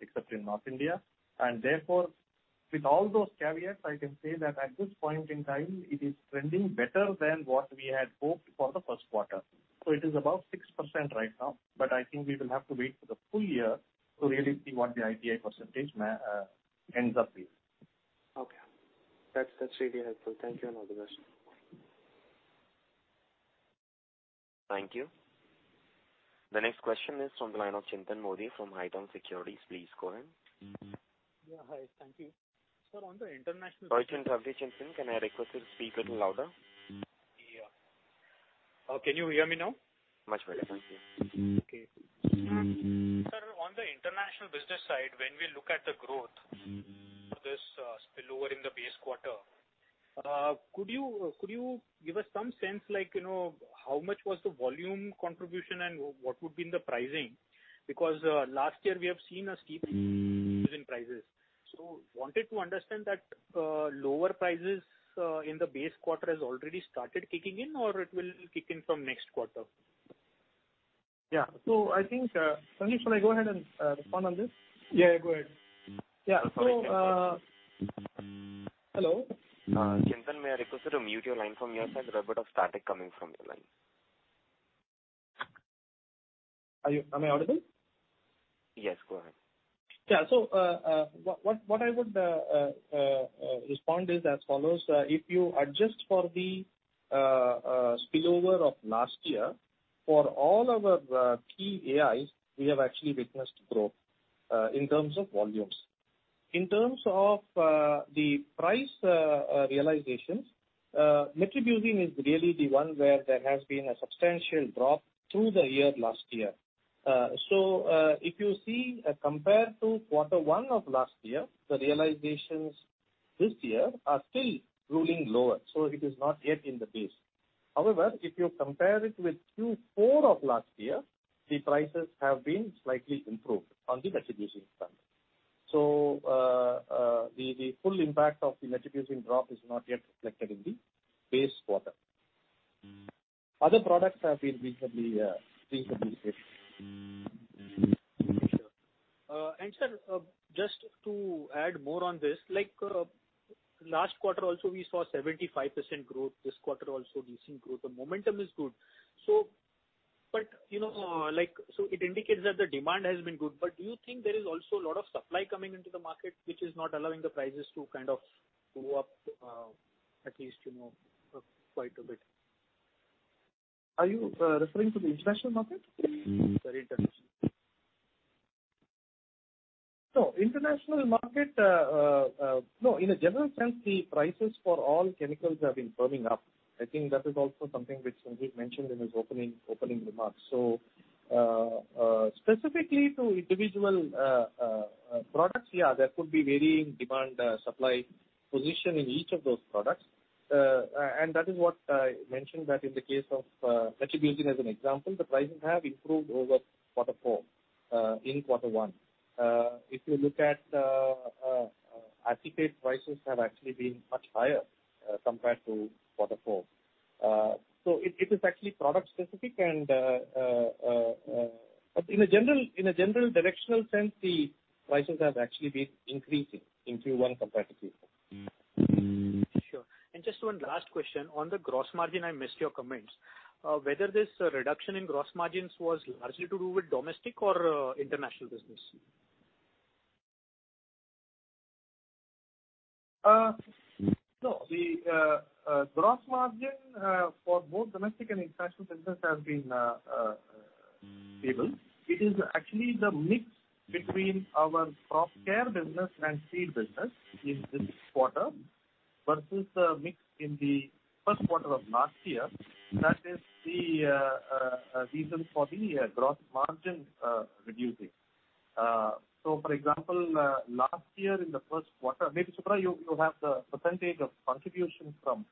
except in North India. Therefore, with all those caveats, I can say that at this point in time, it is trending better than what we had hoped for the first quarter. It is about 6% right now, but I think we will have to wait for the full year to really see what the ITI percentage ends up being. Okay. That's really helpful. Thank you, and all the best. Thank you. The next question is from the line of Chintan Modi from Haitong Securities. Please go ahead. Yeah. Hi, thank you. Sir, on the international- Sorry to interrupt you, Chintan. Can I request you to speak little louder? Yeah. Can you hear me now? Much better. Thank you. Sir, on the international business side, when we look at the growth for this spillover in the base quarter, could you give us some sense, like how much was the volume contribution and what would be in the pricing? Last year we have seen a steep in prices. Wanted to understand that lower prices in the base quarter has already started kicking in, or it will kick in from next quarter. Yeah. I think, Sanjiv, shall I go ahead and respond on this? Yeah, go ahead. Yeah. Hello? Chintan, may I request you to mute your line from your side? There's a bit of static coming from your line. Am I audible? Yes. Go ahead. What I would respond is as follows. If you adjust for the spillover of last year, for all our key AIs, we have actually witnessed growth in terms of volumes. In terms of the price realizations, metribuzin is really the one where there has been a substantial drop through the year last year. If you see, compared to quarter 1 of last year, the realizations this year are still ruling lower. It is not yet in the base. However, if you compare it with Q4 of last year, the prices have been slightly improved on the metribuzin front. The full impact of the metribuzin drop is not yet reflected in the base quarter. Other products have been reasonably safe. Sure. Sir, just to add more on this, like last quarter also, we saw 75% growth. This quarter also decent growth. The momentum is good. It indicates that the demand has been good. Do you think there is also a lot of supply coming into the market, which is not allowing the prices to kind of go up at least quite a bit? Are you referring to the international market? Sorry, international. International market, in a general sense, the prices for all chemicals have been firming up. I think that is also something which Sanjiv mentioned in his opening remarks. Specifically to individual products, yeah, there could be varying demand supply position in each of those products. That is what I mentioned that in the case of metribuzin as an example, the pricing have improved over quarter four in quarter one. If you look at Acephate prices have actually been much higher compared to quarter four. It is actually product specific and in a general directional sense, the prices have actually been increasing in Q1 compared to Q4. Sure. Just one last question. On the gross margin, I missed your comments. Whether this reduction in gross margins was largely to do with domestic or international business? No, the gross margin for both domestic and international business has been stable. It is actually the mix between our crop care business and seed business in this quarter versus the mix in the first quarter of last year. That is the reason for the gross margin reducing. For example, last year in the first quarter, maybe Subhra, you have the percentage of contribution from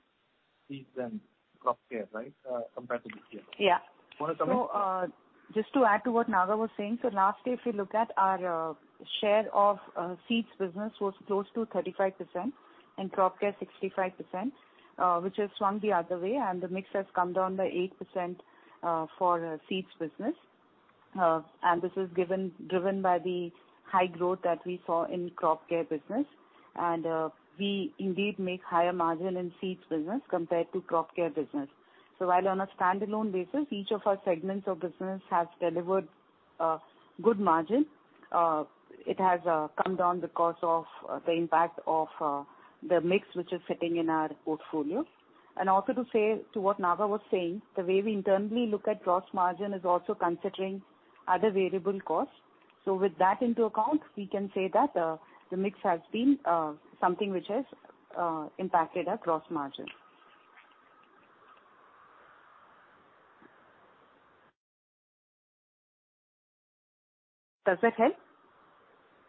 seeds and crop care, right? Compared to this year. Yeah. You want to comment? Just to add to what Naga was saying. Last year, if you look at our share of seeds business was close to 35% and crop care 65%, which has swung the other way, and the mix has come down by 8% for seeds business. This is driven by the high growth that we saw in crop care business. We indeed make higher margin in seeds business compared to crop care business. While on a standalone basis, each of our segments of business has delivered a good margin. It has come down because of the impact of the mix, which is sitting in our portfolio. Also to what Naga was saying, the way we internally look at gross margin is also considering other variable costs. With that into account, we can say that the mix has been something which has impacted our gross margin. Does that help?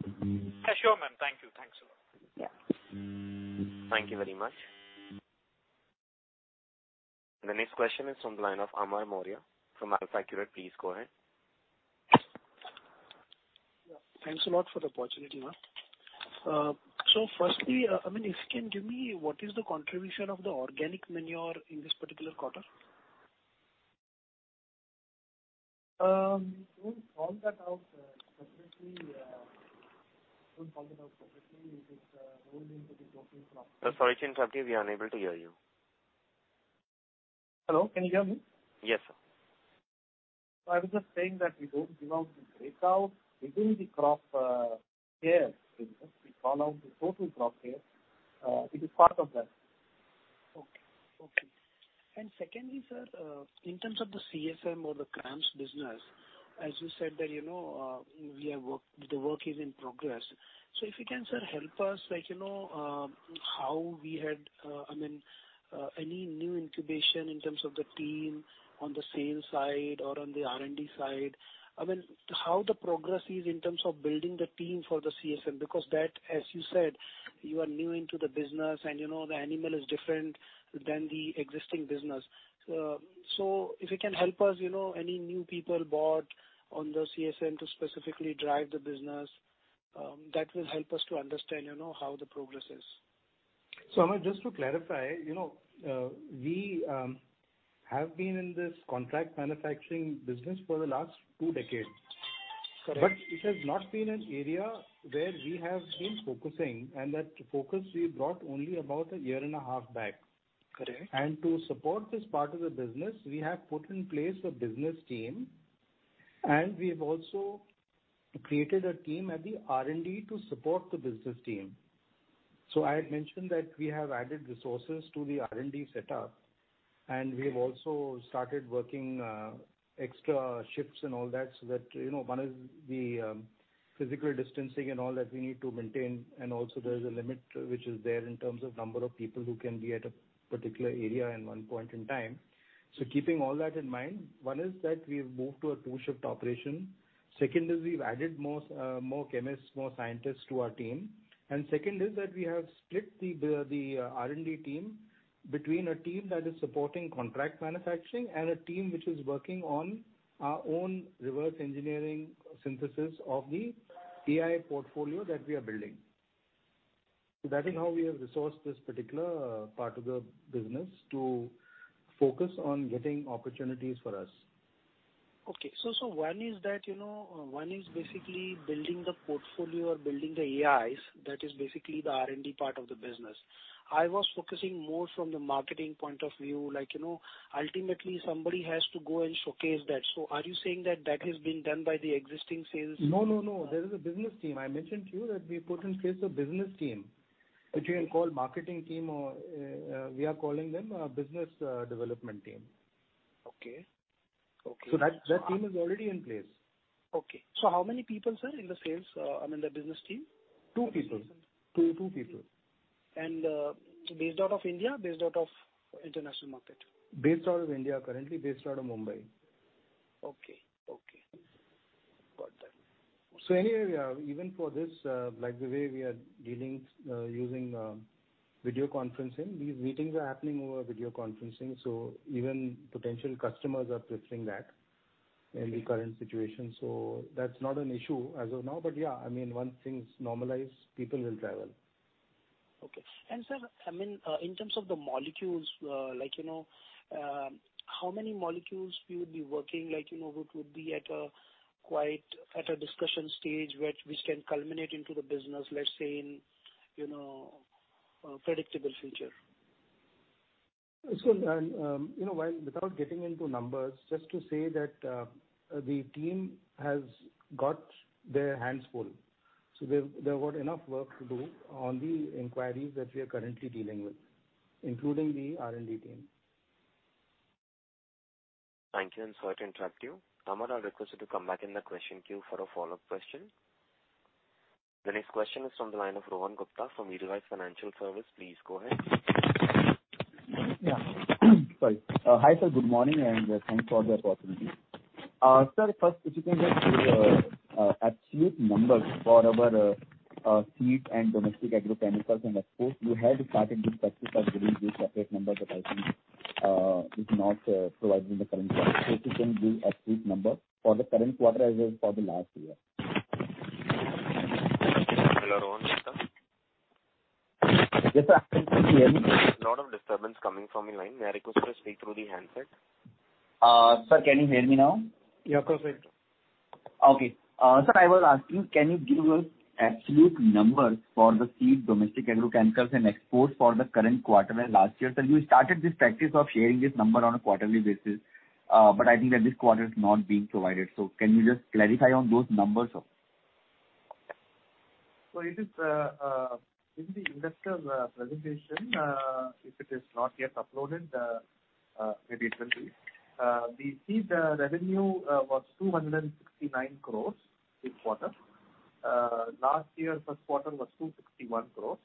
Yeah, sure, ma'am. Thank you. Thanks a lot. Yeah. Thank you very much. The next question is from the line of Amar Maurya from AlfAccurate. Please go ahead. Yeah. Thanks a lot for the opportunity. Firstly, if you can give me what is the contribution of the organic manure in this particular quarter? We don't call that out separately. It is rolled into the total crop. Sorry, Chintan Modi, we are unable to hear you. Hello, can you hear me? Yes, sir. I was just saying that we don't give out the breakout within the crop care business. We call out the total crop care. It is part of that. Okay. Secondly, sir, in terms of the CSM or the CRAMS business, as you said that the work is in progress. If you can, sir, help us like how we had any new incubation in terms of the team on the sales side or on the R&D side? How the progress is in terms of building the team for the CSM, because that, as you said, you are new into the business and the animal is different than the existing business? If you can help us, any new people bought on the CSM to specifically drive the business, that will help us to understand how the progress is? Amar just to clarify, we have been in this contract manufacturing business for the last two decades. Correct. It has not been an area where we have been focusing, and that focus we brought only about a year and a half back. Correct. To support this part of the business, we have put in place a business team, and we have also created a team at the R&D to support the business team. I had mentioned that we have added resources to the R&D setup, and we have also started working extra shifts and all that so that one is the physical distancing and all that we need to maintain, and also there's a limit which is there in terms of number of people who can be at a particular area at one point in time. Keeping all that in mind, one is that we've moved to a two-shift operation. Second is we've added more chemists, more scientists to our team. Second is that we have split the R&D team between a team that is supporting contract manufacturing and a team which is working on our own reverse engineering synthesis of the AI portfolio that we are building. That is how we have resourced this particular part of the business to focus on getting opportunities for us. Okay. One is basically building the portfolio or building the AIs that is basically the R&D part of the business. I was focusing more from the marketing point of view, like ultimately somebody has to go and showcase that. Are you saying that that is being done by the existing sales? No, there is a business team. I mentioned to you that we put in place a business team, which you can call marketing team or we are calling them a business development team. Okay. That team is already in place. Okay. How many people, sir, in the sales, I mean, the business team? Two people. Based out of India, based out of international market? Based out of India currently, based out of Mumbai. Okay. Got that. Anyway, even for this, like the way we are dealing using video conferencing, these meetings are happening over video conferencing. Even potential customers are preferring that in the current situation. That's not an issue as of now. Yeah, once things normalize, people will travel. Okay. Sir, in terms of the molecules, how many molecules we would be working, would be at a discussion stage, which can culminate into the business, let's say in predictable future? Without getting into numbers, just to say that the team has got their hands full. They've got enough work to do on the inquiries that we are currently dealing with, including the R&D team. Thank you, and sorry to interrupt you. Amar, I request you to come back in the question queue for a follow-up question. The next question is from the line of Rohan Gupta from Edelweiss Financial Services. Please go ahead. Yeah. Sorry. Hi, sir. Good morning, and thanks for the opportunity. Sir, first, if you can just give absolute numbers for our seeds and domestic agrochemicals and exports. You had started this practice of giving the separate numbers that I think is not provided in the current quarter. If you can give absolute numbers for the current quarter as well as for the last year. Hello, Rohan Gupta. Yes, sir. Can you hear me? There's a lot of disturbance coming from your line. May I request you to speak through the handset? Sir, can you hear me now? Yeah, of course. Okay. Sir, I was asking, can you give us absolute numbers for the seed domestic agrochemicals and exports for the current quarter and last year? Sir, you started this practice of sharing this number on a quarterly basis. I think that this quarter is not being provided. Can you just clarify on those numbers? It is in the investor presentation. If it is not yet uploaded, maybe it will be. The seed revenue was 269 crores this quarter. Last year first quarter was 261 crores.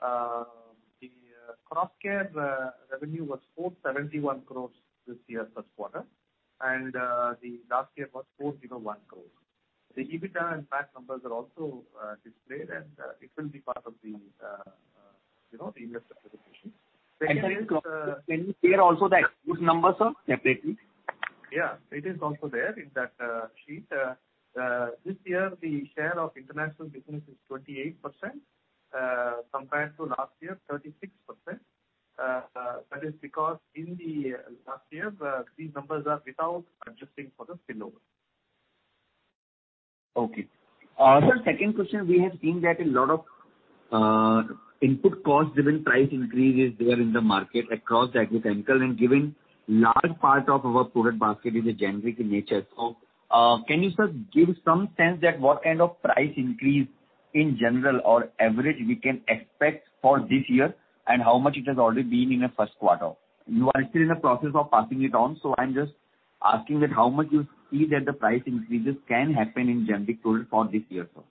The crop care revenue was 471 crores this year first quarter, and the last year was 401 crores. The EBITDA and PAT numbers are also displayed, and it will be part of the investor presentation. Sir, can you share also the absolute numbers, sir separately? Yeah, it is also there in that sheet. This year the share of international business is 28%, compared to last year, 36%. That is because in the last year, these numbers are without adjusting for the spillover. Okay. Sir, second question. We have seen that a lot of input cost-driven price increases there in the market across the agrochemicals and given large part of our product basket is generic in nature. Can you, sir, give some sense that what kind of price increase in general or average we can expect for this year, and how much it has already been in the first quarter? You are still in the process of passing it on, so I'm just asking that how much you see that the price increases can happen in generic products for this year, sir.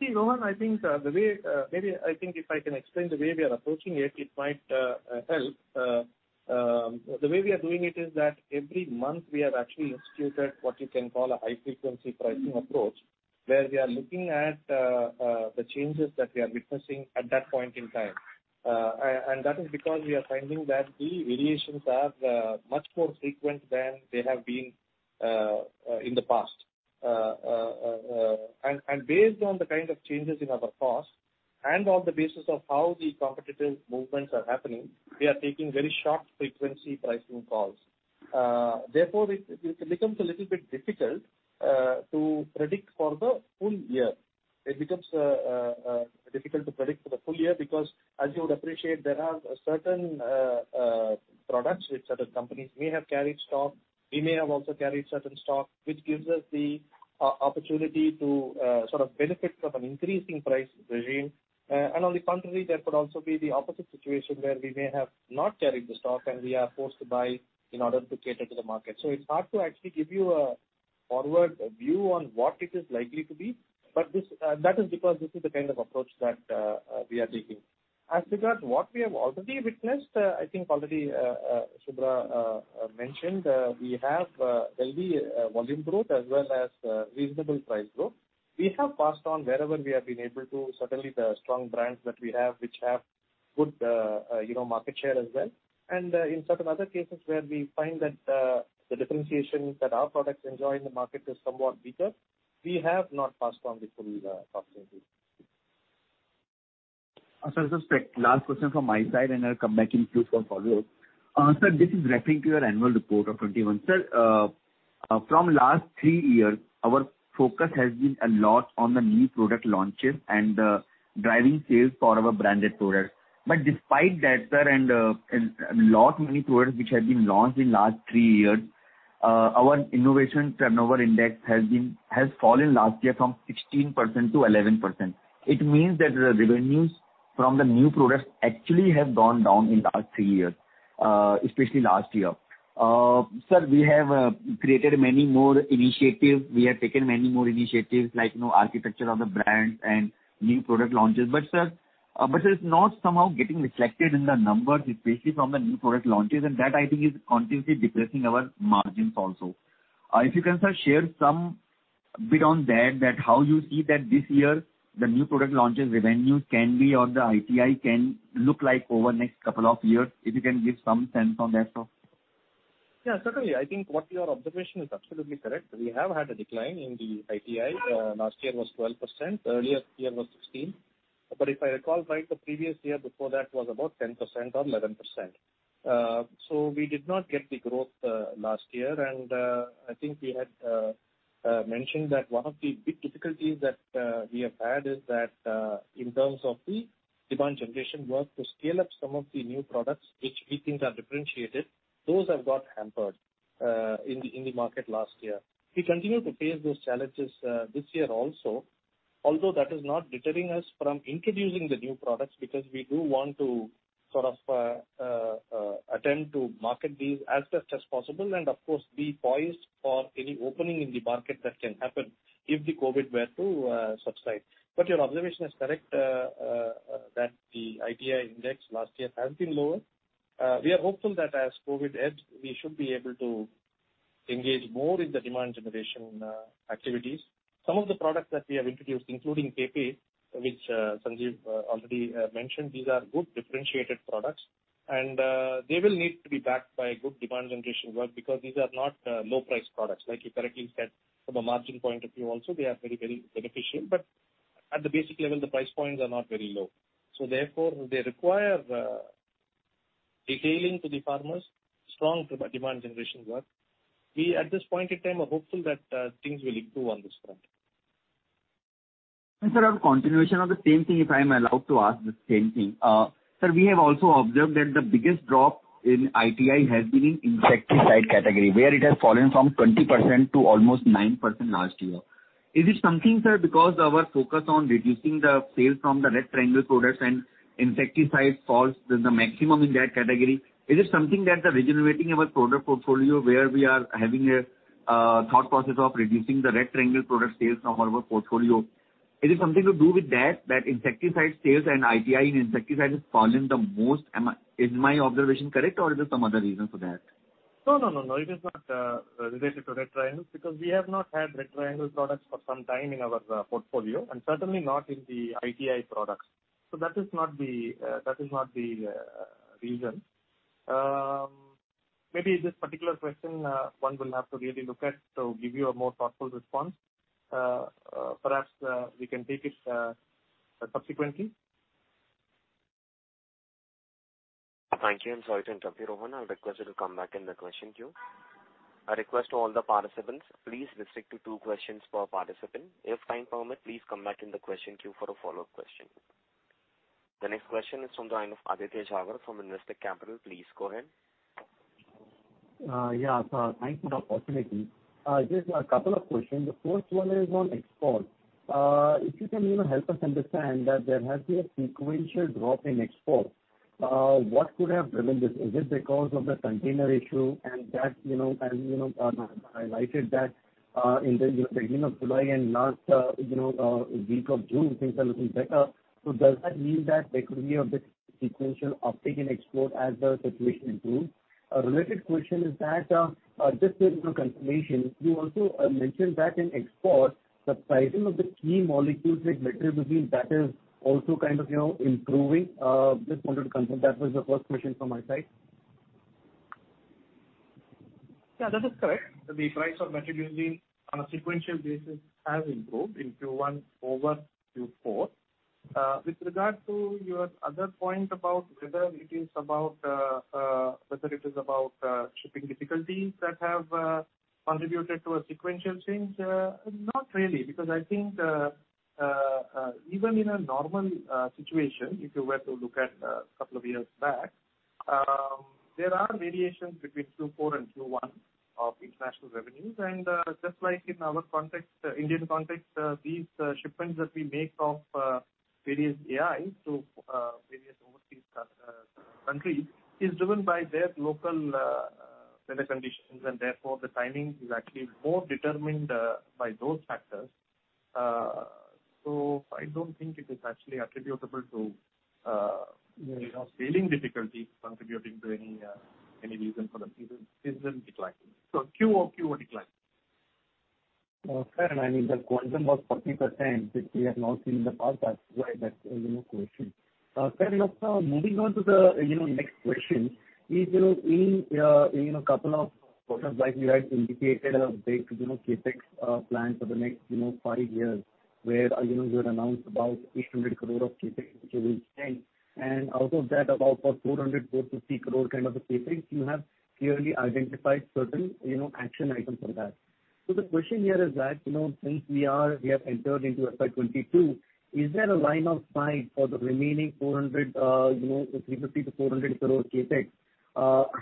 See, Rohan, maybe I think if I can explain the way we are approaching it might help. The way we are doing it is that every month we have actually instituted what you can call a high-frequency pricing approach, where we are looking at the changes that we are witnessing at that point in time. That is because we are finding that the variations are much more frequent than they have been in the past. Based on the kind of changes in our cost and on the basis of how the competitive movements are happening, we are taking very short frequency pricing calls. Therefore, it becomes a little bit difficult to predict for the full year. It becomes difficult to predict for the full year because as you would appreciate, there are certain products which certain companies may have carried stock. We may have also carried certain stock, which gives us the opportunity to sort of benefit from an increasing price regime. On the contrary, there could also be the opposite situation where we may have not carried the stock and we are forced to buy in order to cater to the market. It's hard to actually give you a forward view on what it is likely to be. That is because this is the kind of approach that we are taking. As regards what we have already witnessed, I think already Subhra mentioned, we have healthy volume growth as well as reasonable price growth. We have passed on wherever we have been able to, certainly the strong brands that we have, which have good market share as well. In certain other cases where we find that the differentiation that our products enjoy in the market is somewhat weaker, we have not passed on the full opportunity. Sir, just last question from my side, and I'll come back in queue for follow-ups. Sir, this is referring to your annual report of 2021. Sir, from last three years, our focus has been a lot on the new product launches and driving sales for our branded products. Despite that, sir, and a lot many products which have been launched in last three years. Our innovation turnover index has fallen last year from 16% to 11%. It means that the revenues from the new products actually have gone down in the last three years, especially last year. Sir, we have created many more initiatives. We have taken many more initiatives, like architecture of the brands and new product launches. Sir, it's not somehow getting reflected in the numbers, especially from the new product launches, and that I think is continuously depressing our margins also. If you can, sir, share a bit on that, how you see that this year the new product launches revenues can be, or the ITI can look like over the next couple of years, if you can give some sense on that. Yeah, certainly. I think your observation is absolutely correct. We have had a decline in the ITI. Last year was 12%, earlier year was 16%. If I recall right, the previous year before that was about 10% or 11%. We did not get the growth last year, and I think we had mentioned that one of the big difficulties that we have had is that in terms of the demand generation work to scale up some of the new products, which we think are differentiated, those have got hampered in the market last year. We continue to face those challenges this year also, although that is not deterring us from introducing the new products because we do want to sort of attempt to market these as best as possible and of course be poised for any opening in the market that can happen if the COVID were to subside. Your observation is correct, that the ITI index last year has been lower. We are hopeful that as COVID ends, we should be able to engage more in the demand generation activities. Some of the products that we have introduced, including PEPE, which Sanjiv already mentioned, these are good differentiated products, and they will need to be backed by good demand generation work because these are not low-price products. Like you correctly said, from a margin point of view also, they are very beneficial. At the basic level, the price points are not very low. Therefore, they require detailing to the farmers, strong demand generation work. We, at this point in time, are hopeful that things will improve on this front. Sir, a continuation of the same thing if I'm allowed to ask the same thing. Sir, we have also observed that the biggest drop in ITI has been in insecticide category, where it has fallen from 20% to almost 9% last year. Is it something, sir, because our focus on reducing the sales from the red triangle products and insecticide falls is the maximum in that category. Is it something that the regenerating our product portfolio where we are having a thought process of reducing the red triangle product sales from our portfolio. Is it something to do with that insecticide sales and ITI in insecticide has fallen the most? Is my observation correct or is there some other reason for that? No, it is not related to red triangles because we have not had red triangle products for some time in our portfolio and certainly not in the ITI products. That is not the reason. Maybe this particular question one will have to really look at to give you a more thoughtful response. Perhaps we can take it subsequently. Thank you. I am sorry to interrupt you, Rohan. I request you to come back in the question queue. I request to all the participants, please restrict to two questions per participant. If time permits, please come back in the question queue for a follow-up question. The next question is from the line of Aditya Jhawar from Investec Capital. Please go ahead. Yeah. Thanks for the opportunity. Just a couple of questions. The first one is on export. If you can help us understand that there has been a sequential drop in export. What could have driven this? Is it because of the container issue and that highlighted that in the beginning of July and last week of June, things are looking better. Does that mean that there could be a bit sequential uptick in export as the situation improves? A related question is that, just to get your confirmation, you also mentioned that in export, the pricing of the key molecules like metribuzin, that is also kind of improving. Just wanted to confirm. That was the first question from my side. Yeah, that is correct. The price of metribuzin on a sequential basis has improved in Q1 over Q4. With regard to your other point about whether it is about shipping difficulties that have contributed to a sequential change. Not really, because I think even in a normal situation, if you were to look at a couple of years back, there are variations between Q4 and Q1 of international revenues. Just like in our context, Indian context, these shipments that we make of various AI to various overseas countries is driven by their local weather conditions, and therefore the timing is actually more determined by those factors. I don't think it is actually attributable to scaling difficulties contributing to any reason for the seasonal decline. QoQ decline. Sir, I mean the quantum was 40%, which we have not seen in the past. That's why that question. Sir, moving on to the next question is in a couple of quarters back, you had indicated a big CapEx plan for the next five years where you had announced about 800 crore of CapEx, which you will spend. Out of that, about 400-450 crore kind of a CapEx, you have clearly identified certain action items on that. The question here is that, since we have entered into FY 2022, is there a line of sight for the remaining 350- 400 crore CapEx?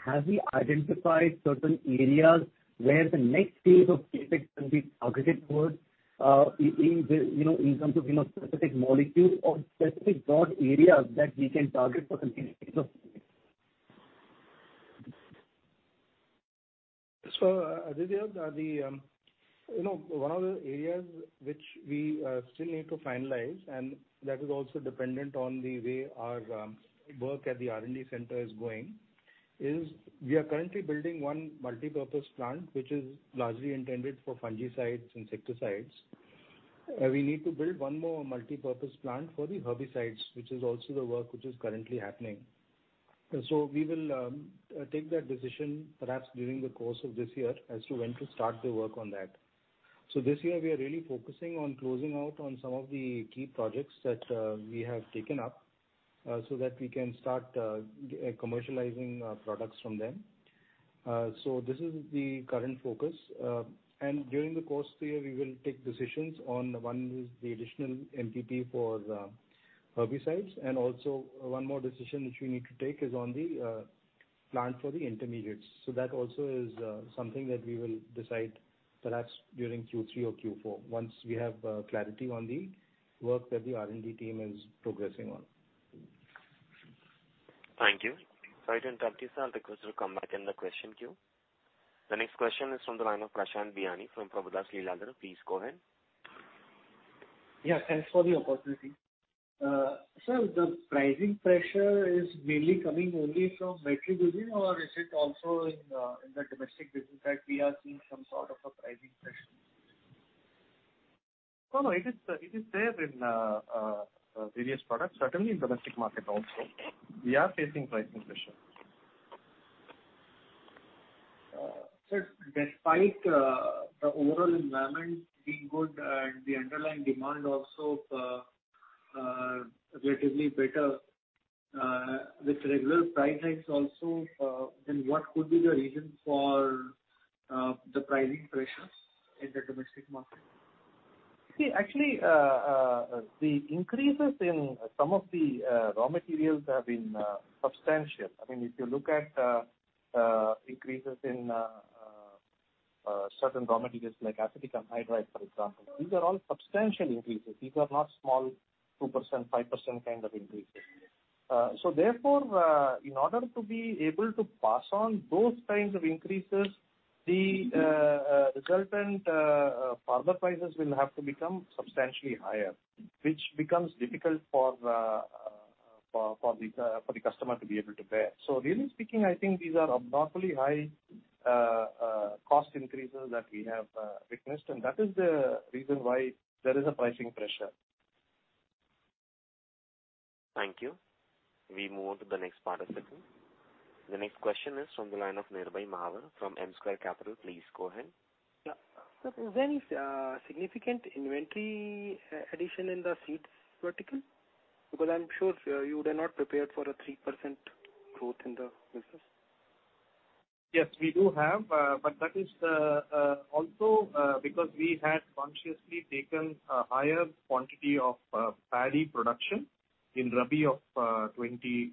Have we identified certain areas where the next phase of CapEx can be targeted towards in terms of specific molecules or specific broad areas that we can target for the next phase of CapEx? Aditya, one of the areas which we still need to finalize, and that is also dependent on the way our work at the R&D center is going, is we are currently building one multipurpose plant, which is largely intended for fungicides, insecticides. We need to build one more multipurpose plant for the herbicides, which is also the work which is currently happening. We will take that decision perhaps during the course of this year as to when to start the work on that. This year we are really focusing on closing out on some of the key projects that we have taken up so that we can start commercializing products from them. This is the current focus. During the course of the year, we will take decisions on, one is the additional MPP for the herbicides. Also one more decision which we need to take is on the plant for the intermediates. That also is something that we will decide perhaps during Q3 or Q4 once we have clarity on the work that the R&D team is progressing on. Thank you. Sorry to interrupt you, sir. The question will come back in the question queue. The next question is from the line of Prashant Biyani from Prabhudas Lilladher. Please go ahead. Thanks for the opportunity. Sir, the pricing pressure is mainly coming only from the international business or is it also in the domestic business that we are seeing some sort of a pricing pressure? No, no, it is there in various products, certainly in domestic market also. We are facing pricing pressure. Sir, despite the overall environment being good and the underlying demand also relatively better with regular price hikes also, then what could be the reason for the pricing pressures in the domestic market? Actually, the increases in some of the raw materials have been substantial. If you look at increases in certain raw materials like acetic anhydride, for example, these are all substantial increases. These are not small 2%, 5% kind of increases. Therefore, in order to be able to pass on those kinds of increases, the resultant farmer prices will have to become substantially higher, which becomes difficult for the customer to be able to bear. Really speaking, I think these are abnormally high cost increases that we have witnessed, and that is the reason why there is a pricing pressure. Thank you. We move on to the next participant. The next question is from the line of Nirbhay Mahavar from N Square Capital. Please go ahead. Yeah. Sir, is there any significant inventory addition in the seeds vertical? I'm sure you were not prepared for a 3% growth in the business. Yes, we do have. That is also because we had consciously taken a higher quantity of paddy production in Rabi of 2020,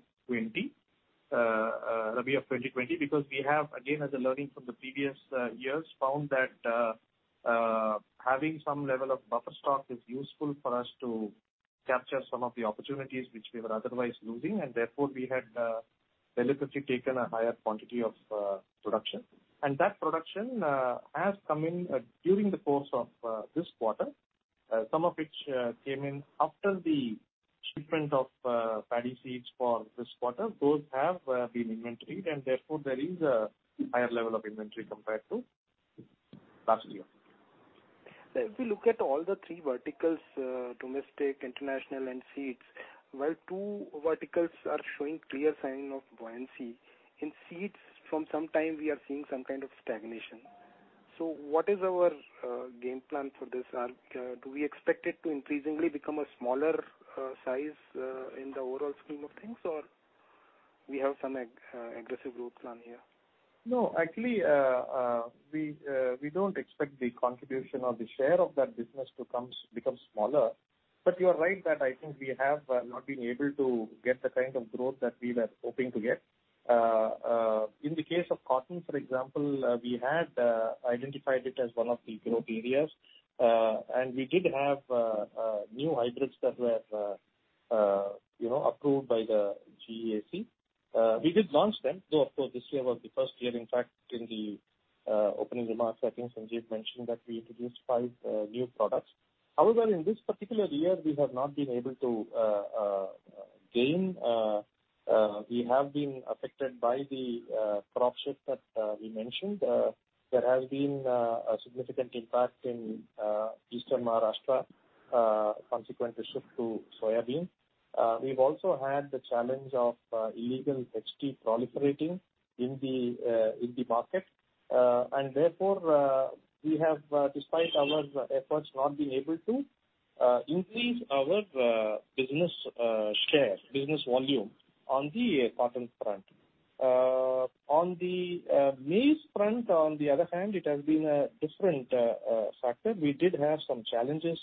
because we have, again, as a learning from the previous years, found that having some level of buffer stock is useful for us to capture some of the opportunities which we were otherwise losing, and therefore, we had deliberately taken a higher quantity of production. That production has come in during the course of this quarter, some of which came in after the shipment of paddy seeds for this quarter. Those have been inventoried, and therefore there is a higher level of inventory compared to last year. Sir, if you look at all the three verticals, domestic, international, and seeds, while two verticals are showing clear sign of buoyancy, in seeds from some time we are seeing some kind of stagnation. What is our game plan for this? Do we expect it to increasingly become a smaller size in the overall scheme of things, or we have some aggressive growth plan here? Actually, we don't expect the contribution or the share of that business to become smaller. You are right that I think we have not been able to get the kind of growth that we were hoping to get. In the case of cotton, for example, we had identified it as one of the growth areas, and we did have new hybrids that were approved by the GEAC. We did launch them, though, of course, this year was the first year. In fact, in the opening remarks, I think Sanjiv mentioned that we introduced 5 new products. In this particular year, we have not been able to gain. We have been affected by the crop shift that we mentioned. There has been a significant impact in Eastern Maharashtra consequent to shift to soybean. We've also had the challenge of illegal HT proliferating in the market. Therefore, we have, despite our efforts, not been able to increase our business share, business volume on the cotton front. On the maize front, on the other hand, it has been a different factor. We did have some challenges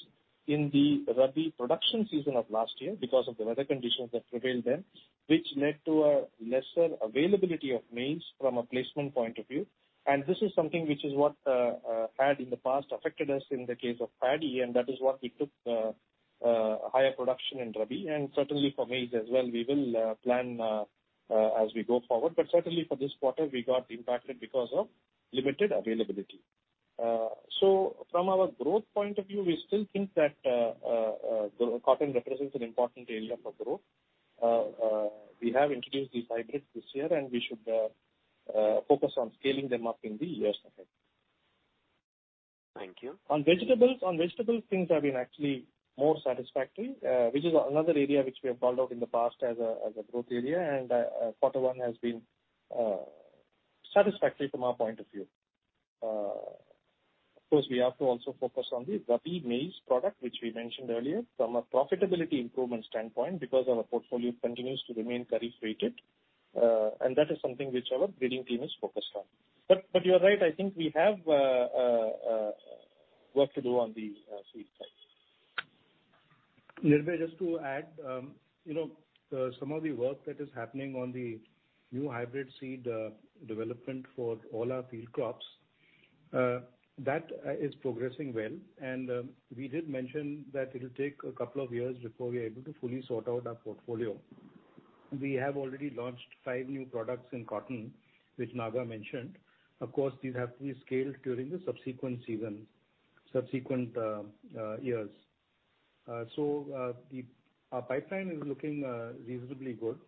in the Rabi production season of last year because of the weather conditions that prevailed then, which led to a lesser availability of maize from a placement point of view. This is something which had in the past affected us in the case of paddy, and that is what we took higher production in Rabi and certainly for maize as well, we will plan as we go forward. Certainly for this quarter, we got impacted because of limited availability. From our growth point of view, we still think that cotton represents an important area for growth. We have introduced these hybrids this year, and we should focus on scaling them up in the years ahead. Thank you. On vegetables, things have been actually more satisfactory, which is another area which we have called out in the past as a growth area. Q1 has been satisfactory from our point of view. Of course, we have to also focus on the Rabi maize product, which we mentioned earlier, from a profitability improvement standpoint because our portfolio continues to remain curated. That is something which our breeding team is focused on. You're right, I think we have work to do on the seed side. Nirbhay, just to add. Some of the work that is happening on the new hybrid seed development for all our field crops, that is progressing well. We did mention that it'll take a couple of years before we're able to fully sort out our portfolio. We have already launched five new products in cotton, which Naga mentioned. Of course, these have to be scaled during the subsequent years. Our pipeline is looking reasonably good,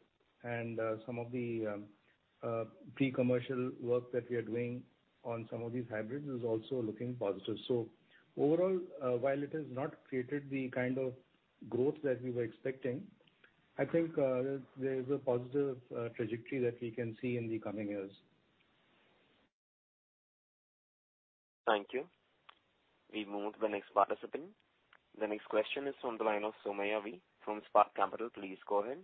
and some of the pre-commercial work that we are doing on some of these hybrids is also looking positive. Overall, while it has not created the kind of growth that we were expecting, I think there is a positive trajectory that we can see in the coming years. Thank you. We move to the next participant. The next question is on the line of Somaiah Valliyappan from Spark Capital. Please go ahead.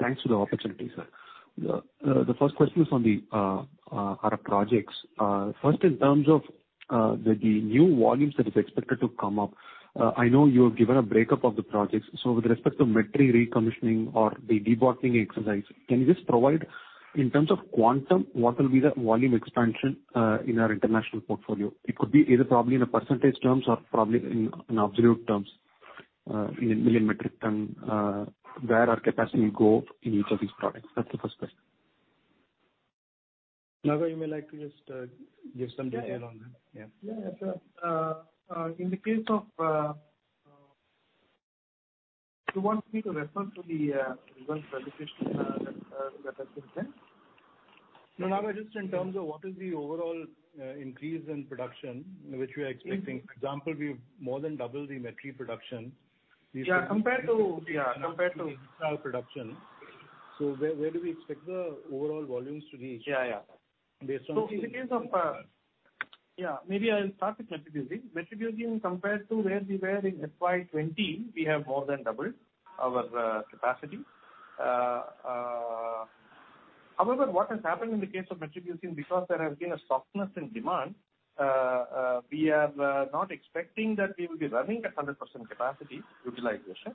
Thanks for the opportunity, sir. The first question is on our projects. In terms of the new volumes that is expected to come up. I know you have given a breakup of the projects. With respect to Metri recommissioning or the debottlenecking exercise, can you just provide, in terms of quantum, what will be the volume expansion in our international portfolio? It could be either probably in percentage terms or probably in absolute terms, in million metric ton, where our capacity will go in each of these products. That's the first question. Naga, you may like to just give some detail on that. Yeah, sure. You want me to refer to the previous presentation that has been sent? No, Naga, just in terms of what is the overall increase in production which we are expecting. Example, we've more than doubled the Metri production. Yeah, compared to. Our production. Where do we expect the overall volumes to reach? Yeah. Based on- In the case of, maybe I'll start with metribuzin. Metribuzin compared to where we were in FY 2020, we have more than doubled our capacity. However, what has happened in the case of metribuzin, because there has been a softness in demand, we are not expecting that we will be running at 100% capacity utilization.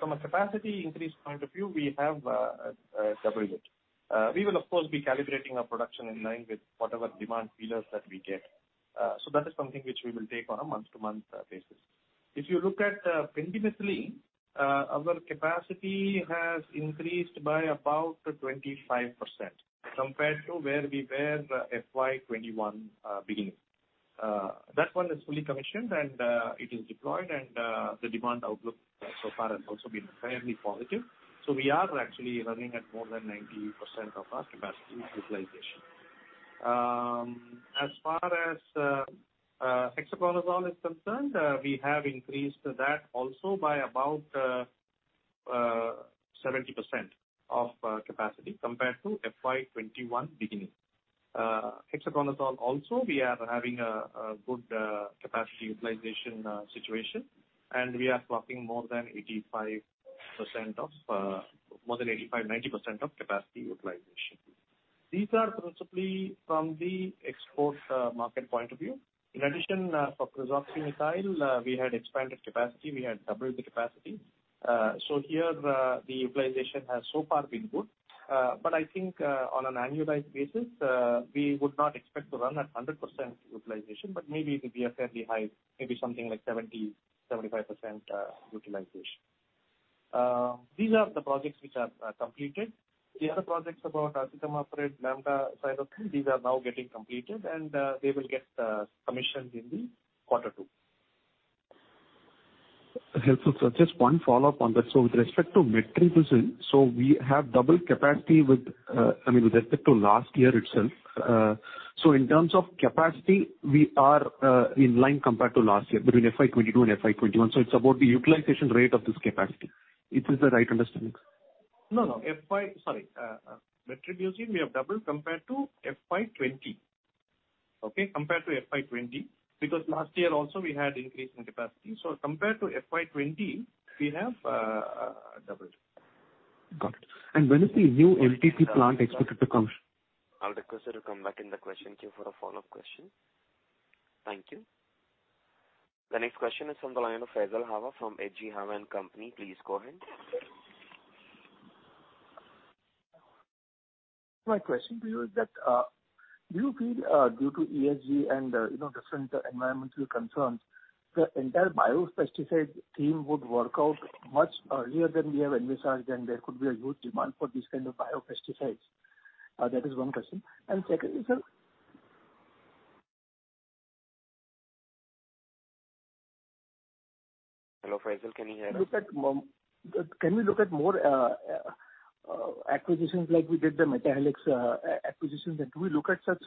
From a capacity increase point of view, we have doubled it. We will of course, be calibrating our production in line with whatever demand feelers that we get. That is something which we will take on a month-to-month basis. If you look at pendimethalin, our capacity has increased by about 25% compared to where we were FY 2021 beginning. That one is fully commissioned, and it is deployed and the demand outlook so far has also been fairly positive. We are actually running at more than 90% of our capacity utilization. As far as hexaconazole is concerned, we have increased that also by about 70% of capacity compared to FY 2021 beginning. hexaconazole also, we are having a good capacity utilization situation, and we are swapping more than 85%, 90% of capacity utilization. These are principally from the export market point of view. In addition, for pyroxasulfone we had expanded capacity. We had doubled the capacity. Here, the utilization has so far been good. I think on an annualized basis, we would not expect to run at 100% utilization, but maybe it'll be a fairly high, maybe something like 70%, 75% utilization. These are the projects which are completed. The other projects about acetamiprid, lambda-cyhalothrin, these are now getting completed, and they will get commissioned in quarter two. Helpful. Just one follow-up on that. With respect to metribuzin, we have double capacity with respect to last year itself. In terms of capacity, we are in line compared to last year between FY 2022 and FY 2021. It's about the utilization rate of this capacity. Is this the right understanding? No. Sorry. Metribuzin we have doubled compared to FY 2020. Okay, compared to FY 2020, because last year also we had increase in capacity. Compared to FY 2020, we have doubled. Got it. When is the new MPP plant expected to come? I'll request you to come back in the queue for a follow-up question. Thank you. The next question is from the line of Faisal Hawa from H.G. Hawa and Company. Please go ahead. My question to you is that, do you feel, due to ESG and different environmental concerns, the entire biopesticide theme would work out much earlier than we have envisaged, and there could be a huge demand for these kind of biopesticides? That is one question. Secondly, sir Hello, Faisal, can you hear us? Can we look at more acquisitions like we did the Metahelix acquisitions? Do we look at such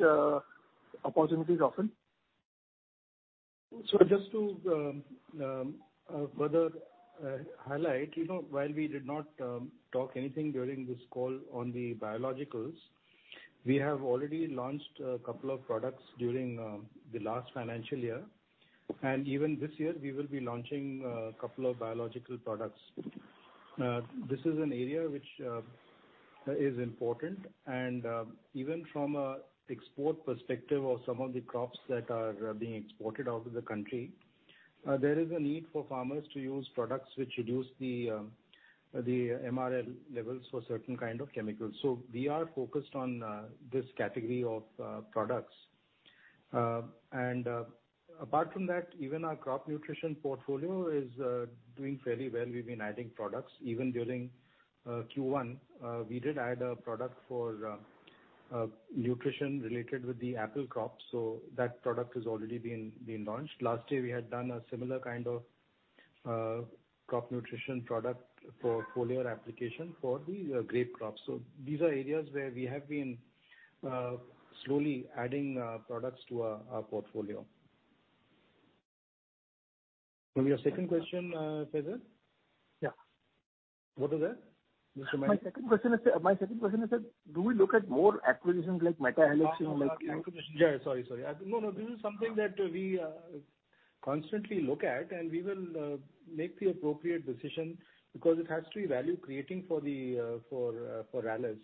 opportunities often? Just to further highlight, while we did not talk anything during this call on the biologicals, we have already launched two products during the last financial year. Even this year, we will be launching two biological products. This is an area which is important, and even from an export perspective of some of the crops that are being exported out of the country, there is a need for farmers to use products which reduce the MRL levels for certain kind of chemicals. We are focused on this category of products. Apart from that, even our crop nutrition portfolio is doing fairly well. We've been adding products even during Q1. We did add a product for nutrition related with the apple crop, so that product has already been launched. Last year, we had done a similar kind of crop nutrition product portfolio application for the grape crop. These are areas where we have been slowly adding products to our portfolio. Your second question, Faisal? Yeah. What was that? My second question is that, do we look at more acquisitions like Metahelix? Yeah, sorry. This is something that we constantly look at, and we will make the appropriate decision, because it has to be value-creating for Rallis.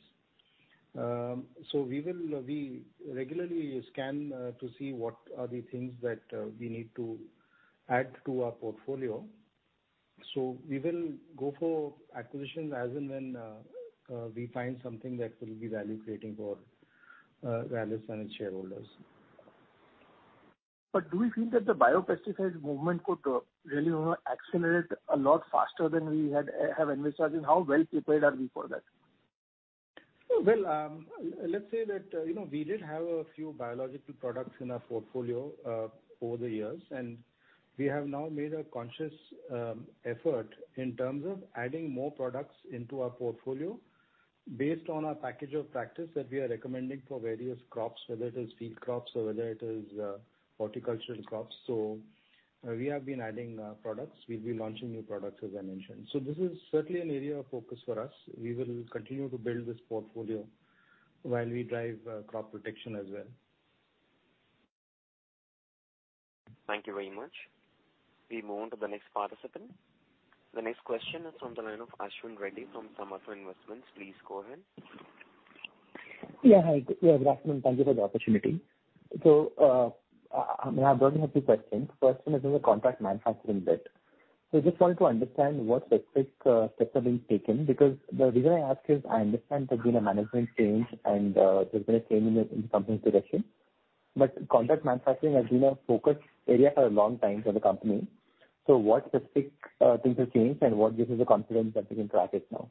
We regularly scan to see what are the things that we need to add to our portfolio. We will go for acquisitions as and when we find something that will be value-creating for Rallis and its shareholders. Do we feel that the biopesticide movement could really accelerate a lot faster than we have envisaged, and how well-prepared are we for that? Well, let's say that we did have a few biological products in our portfolio over the years, and we have now made a conscious effort in terms of adding more products into our portfolio based on our package of practice that we are recommending for various crops, whether it is field crops or whether it is horticultural crops. We have been adding products. We'll be launching new products, as I mentioned. This is certainly an area of focus for us. We will continue to build this portfolio while we drive crop protection as well. Thank you very much. We move on to the next participant. The next question is from the line of Ashwin Reddy from Samatva Investments. Please go ahead. Yeah, hi. Good afternoon. I have two questions. First one is on the contract manufacturing bit. I just wanted to understand what specific steps are being taken, because the reason I ask is, I understand there's been a management change and there's been a change in the company's direction. Contract manufacturing has been a focus area for a long time for the company. What specific things have changed, and what gives you the confidence that you can track it now?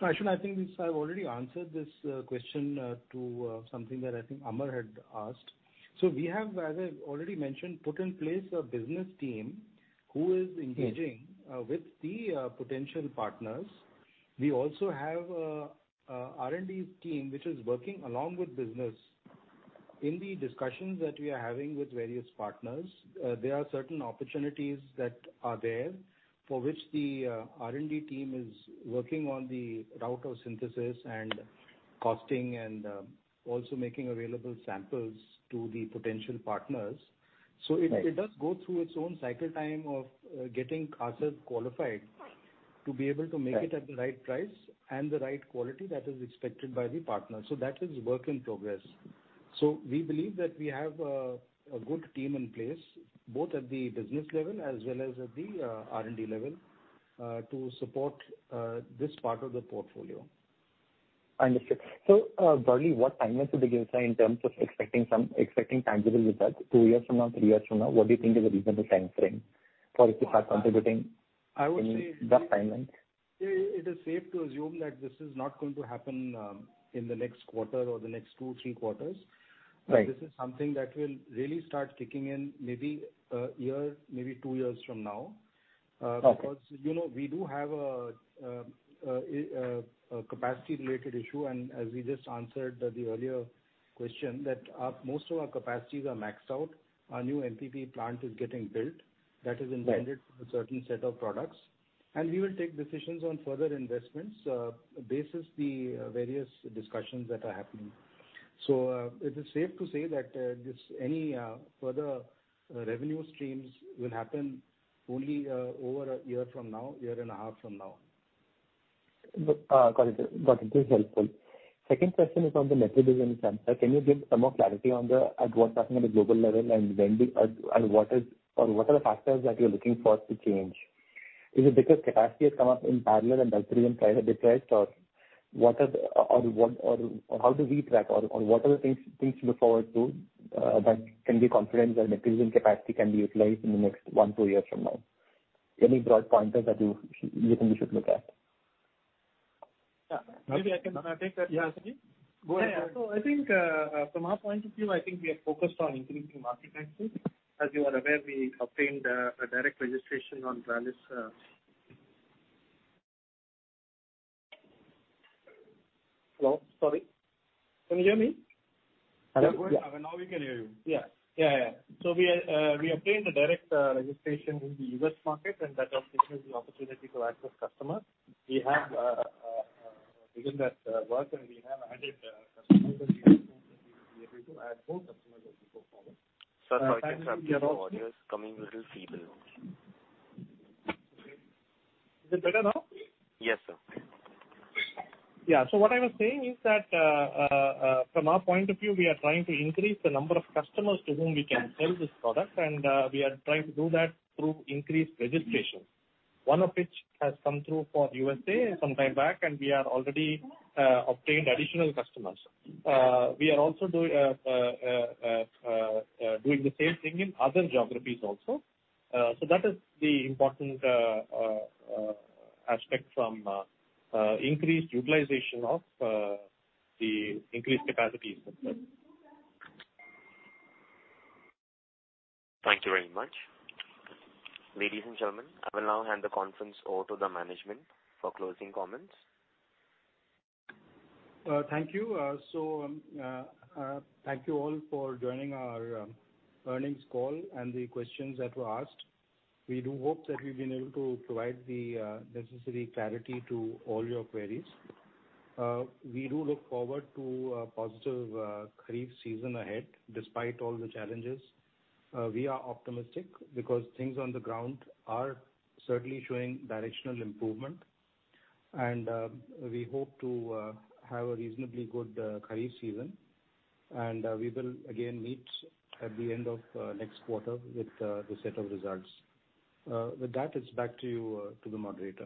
Ashwin, I think I've already answered this question to something that I think Amar had asked. We have, as I've already mentioned, put in place a business team who is engaging with the potential partners. We also have a R&D team which is working along with business. In the discussions that we are having with various partners, there are certain opportunities that are there, for which the R&D team is working on the route of synthesis and costing and also making available samples to the potential partners. Right. It does go through its own cycle time of getting ourselves qualified to be able to make it at the right price and the right quality that is expected by the partner. That is work in progress. We believe that we have a good team in place, both at the business level as well as at the R&D level, to support this part of the portfolio. Understood. Broadly, what time is the big insight in terms of expecting tangible results? Two years from now, three years from now? What do you think is a reasonable time frame for it to start contributing in that timeline? It is safe to assume that this is not going to happen in the next quarter or the next two, three quarters. Right. This is something that will really start kicking in maybe a year, maybe two years from now. Okay. Because we do have a capacity-related issue, and as we just answered the earlier question, that most of our capacities are maxed out. Our new MPP plant is getting built. That is intended for a certain set of products. We will take decisions on further investments, basis the various discussions that are happening. It is safe to say that any further revenue streams will happen only over a year from now, year and a half from now. Got it. That's helpful. Second question is on the metribuzin. Can you give some more clarity on the advance happening at the global level and what are the factors that you're looking for to change? Is it because capacity has come up in parallel and metribuzin prices are depressed, or how do we track, or what are the things to look forward to that can give confidence that metribuzin capacity can be utilized in the next one, two years from now? Any broad pointers that you think we should look at? Yeah. Maybe I can take that, Sanjiv. Go ahead. I think from our point of view, I think we are focused on increasing market access. As you are aware, we obtained a direct registration on Rallis. Hello? Sorry. Can you hear me? Now we can hear you. Yeah. We obtained a direct registration in the U.S. market, and that gives us the opportunity to access customers. We have begun that work and we have added customers and we hope that we will be able to add more customers going forward. Sir, your audio is coming a little feeble. Is it better now? Yes, sir. Yeah. What I was saying is that, from our point of view, we are trying to increase the number of customers to whom we can sell this product, and we are trying to do that through increased registration. One of which has come through for USA some time back, and we have already obtained additional customers. We are also doing the same thing in other geographies also. That is the important aspect from increased utilization of the increased capacity. Thank you very much. Ladies and gentlemen, I will now hand the conference over to the management for closing comments. Thank you. Thank you all for joining our earnings call and the questions that were asked. We do hope that we've been able to provide the necessary clarity to all your queries. We do look forward to a positive kharif season ahead, despite all the challenges. We are optimistic because things on the ground are certainly showing directional improvement, and we hope to have a reasonably good kharif season. We will again meet at the end of next quarter with the set of results. With that, it's back to you, to the moderator.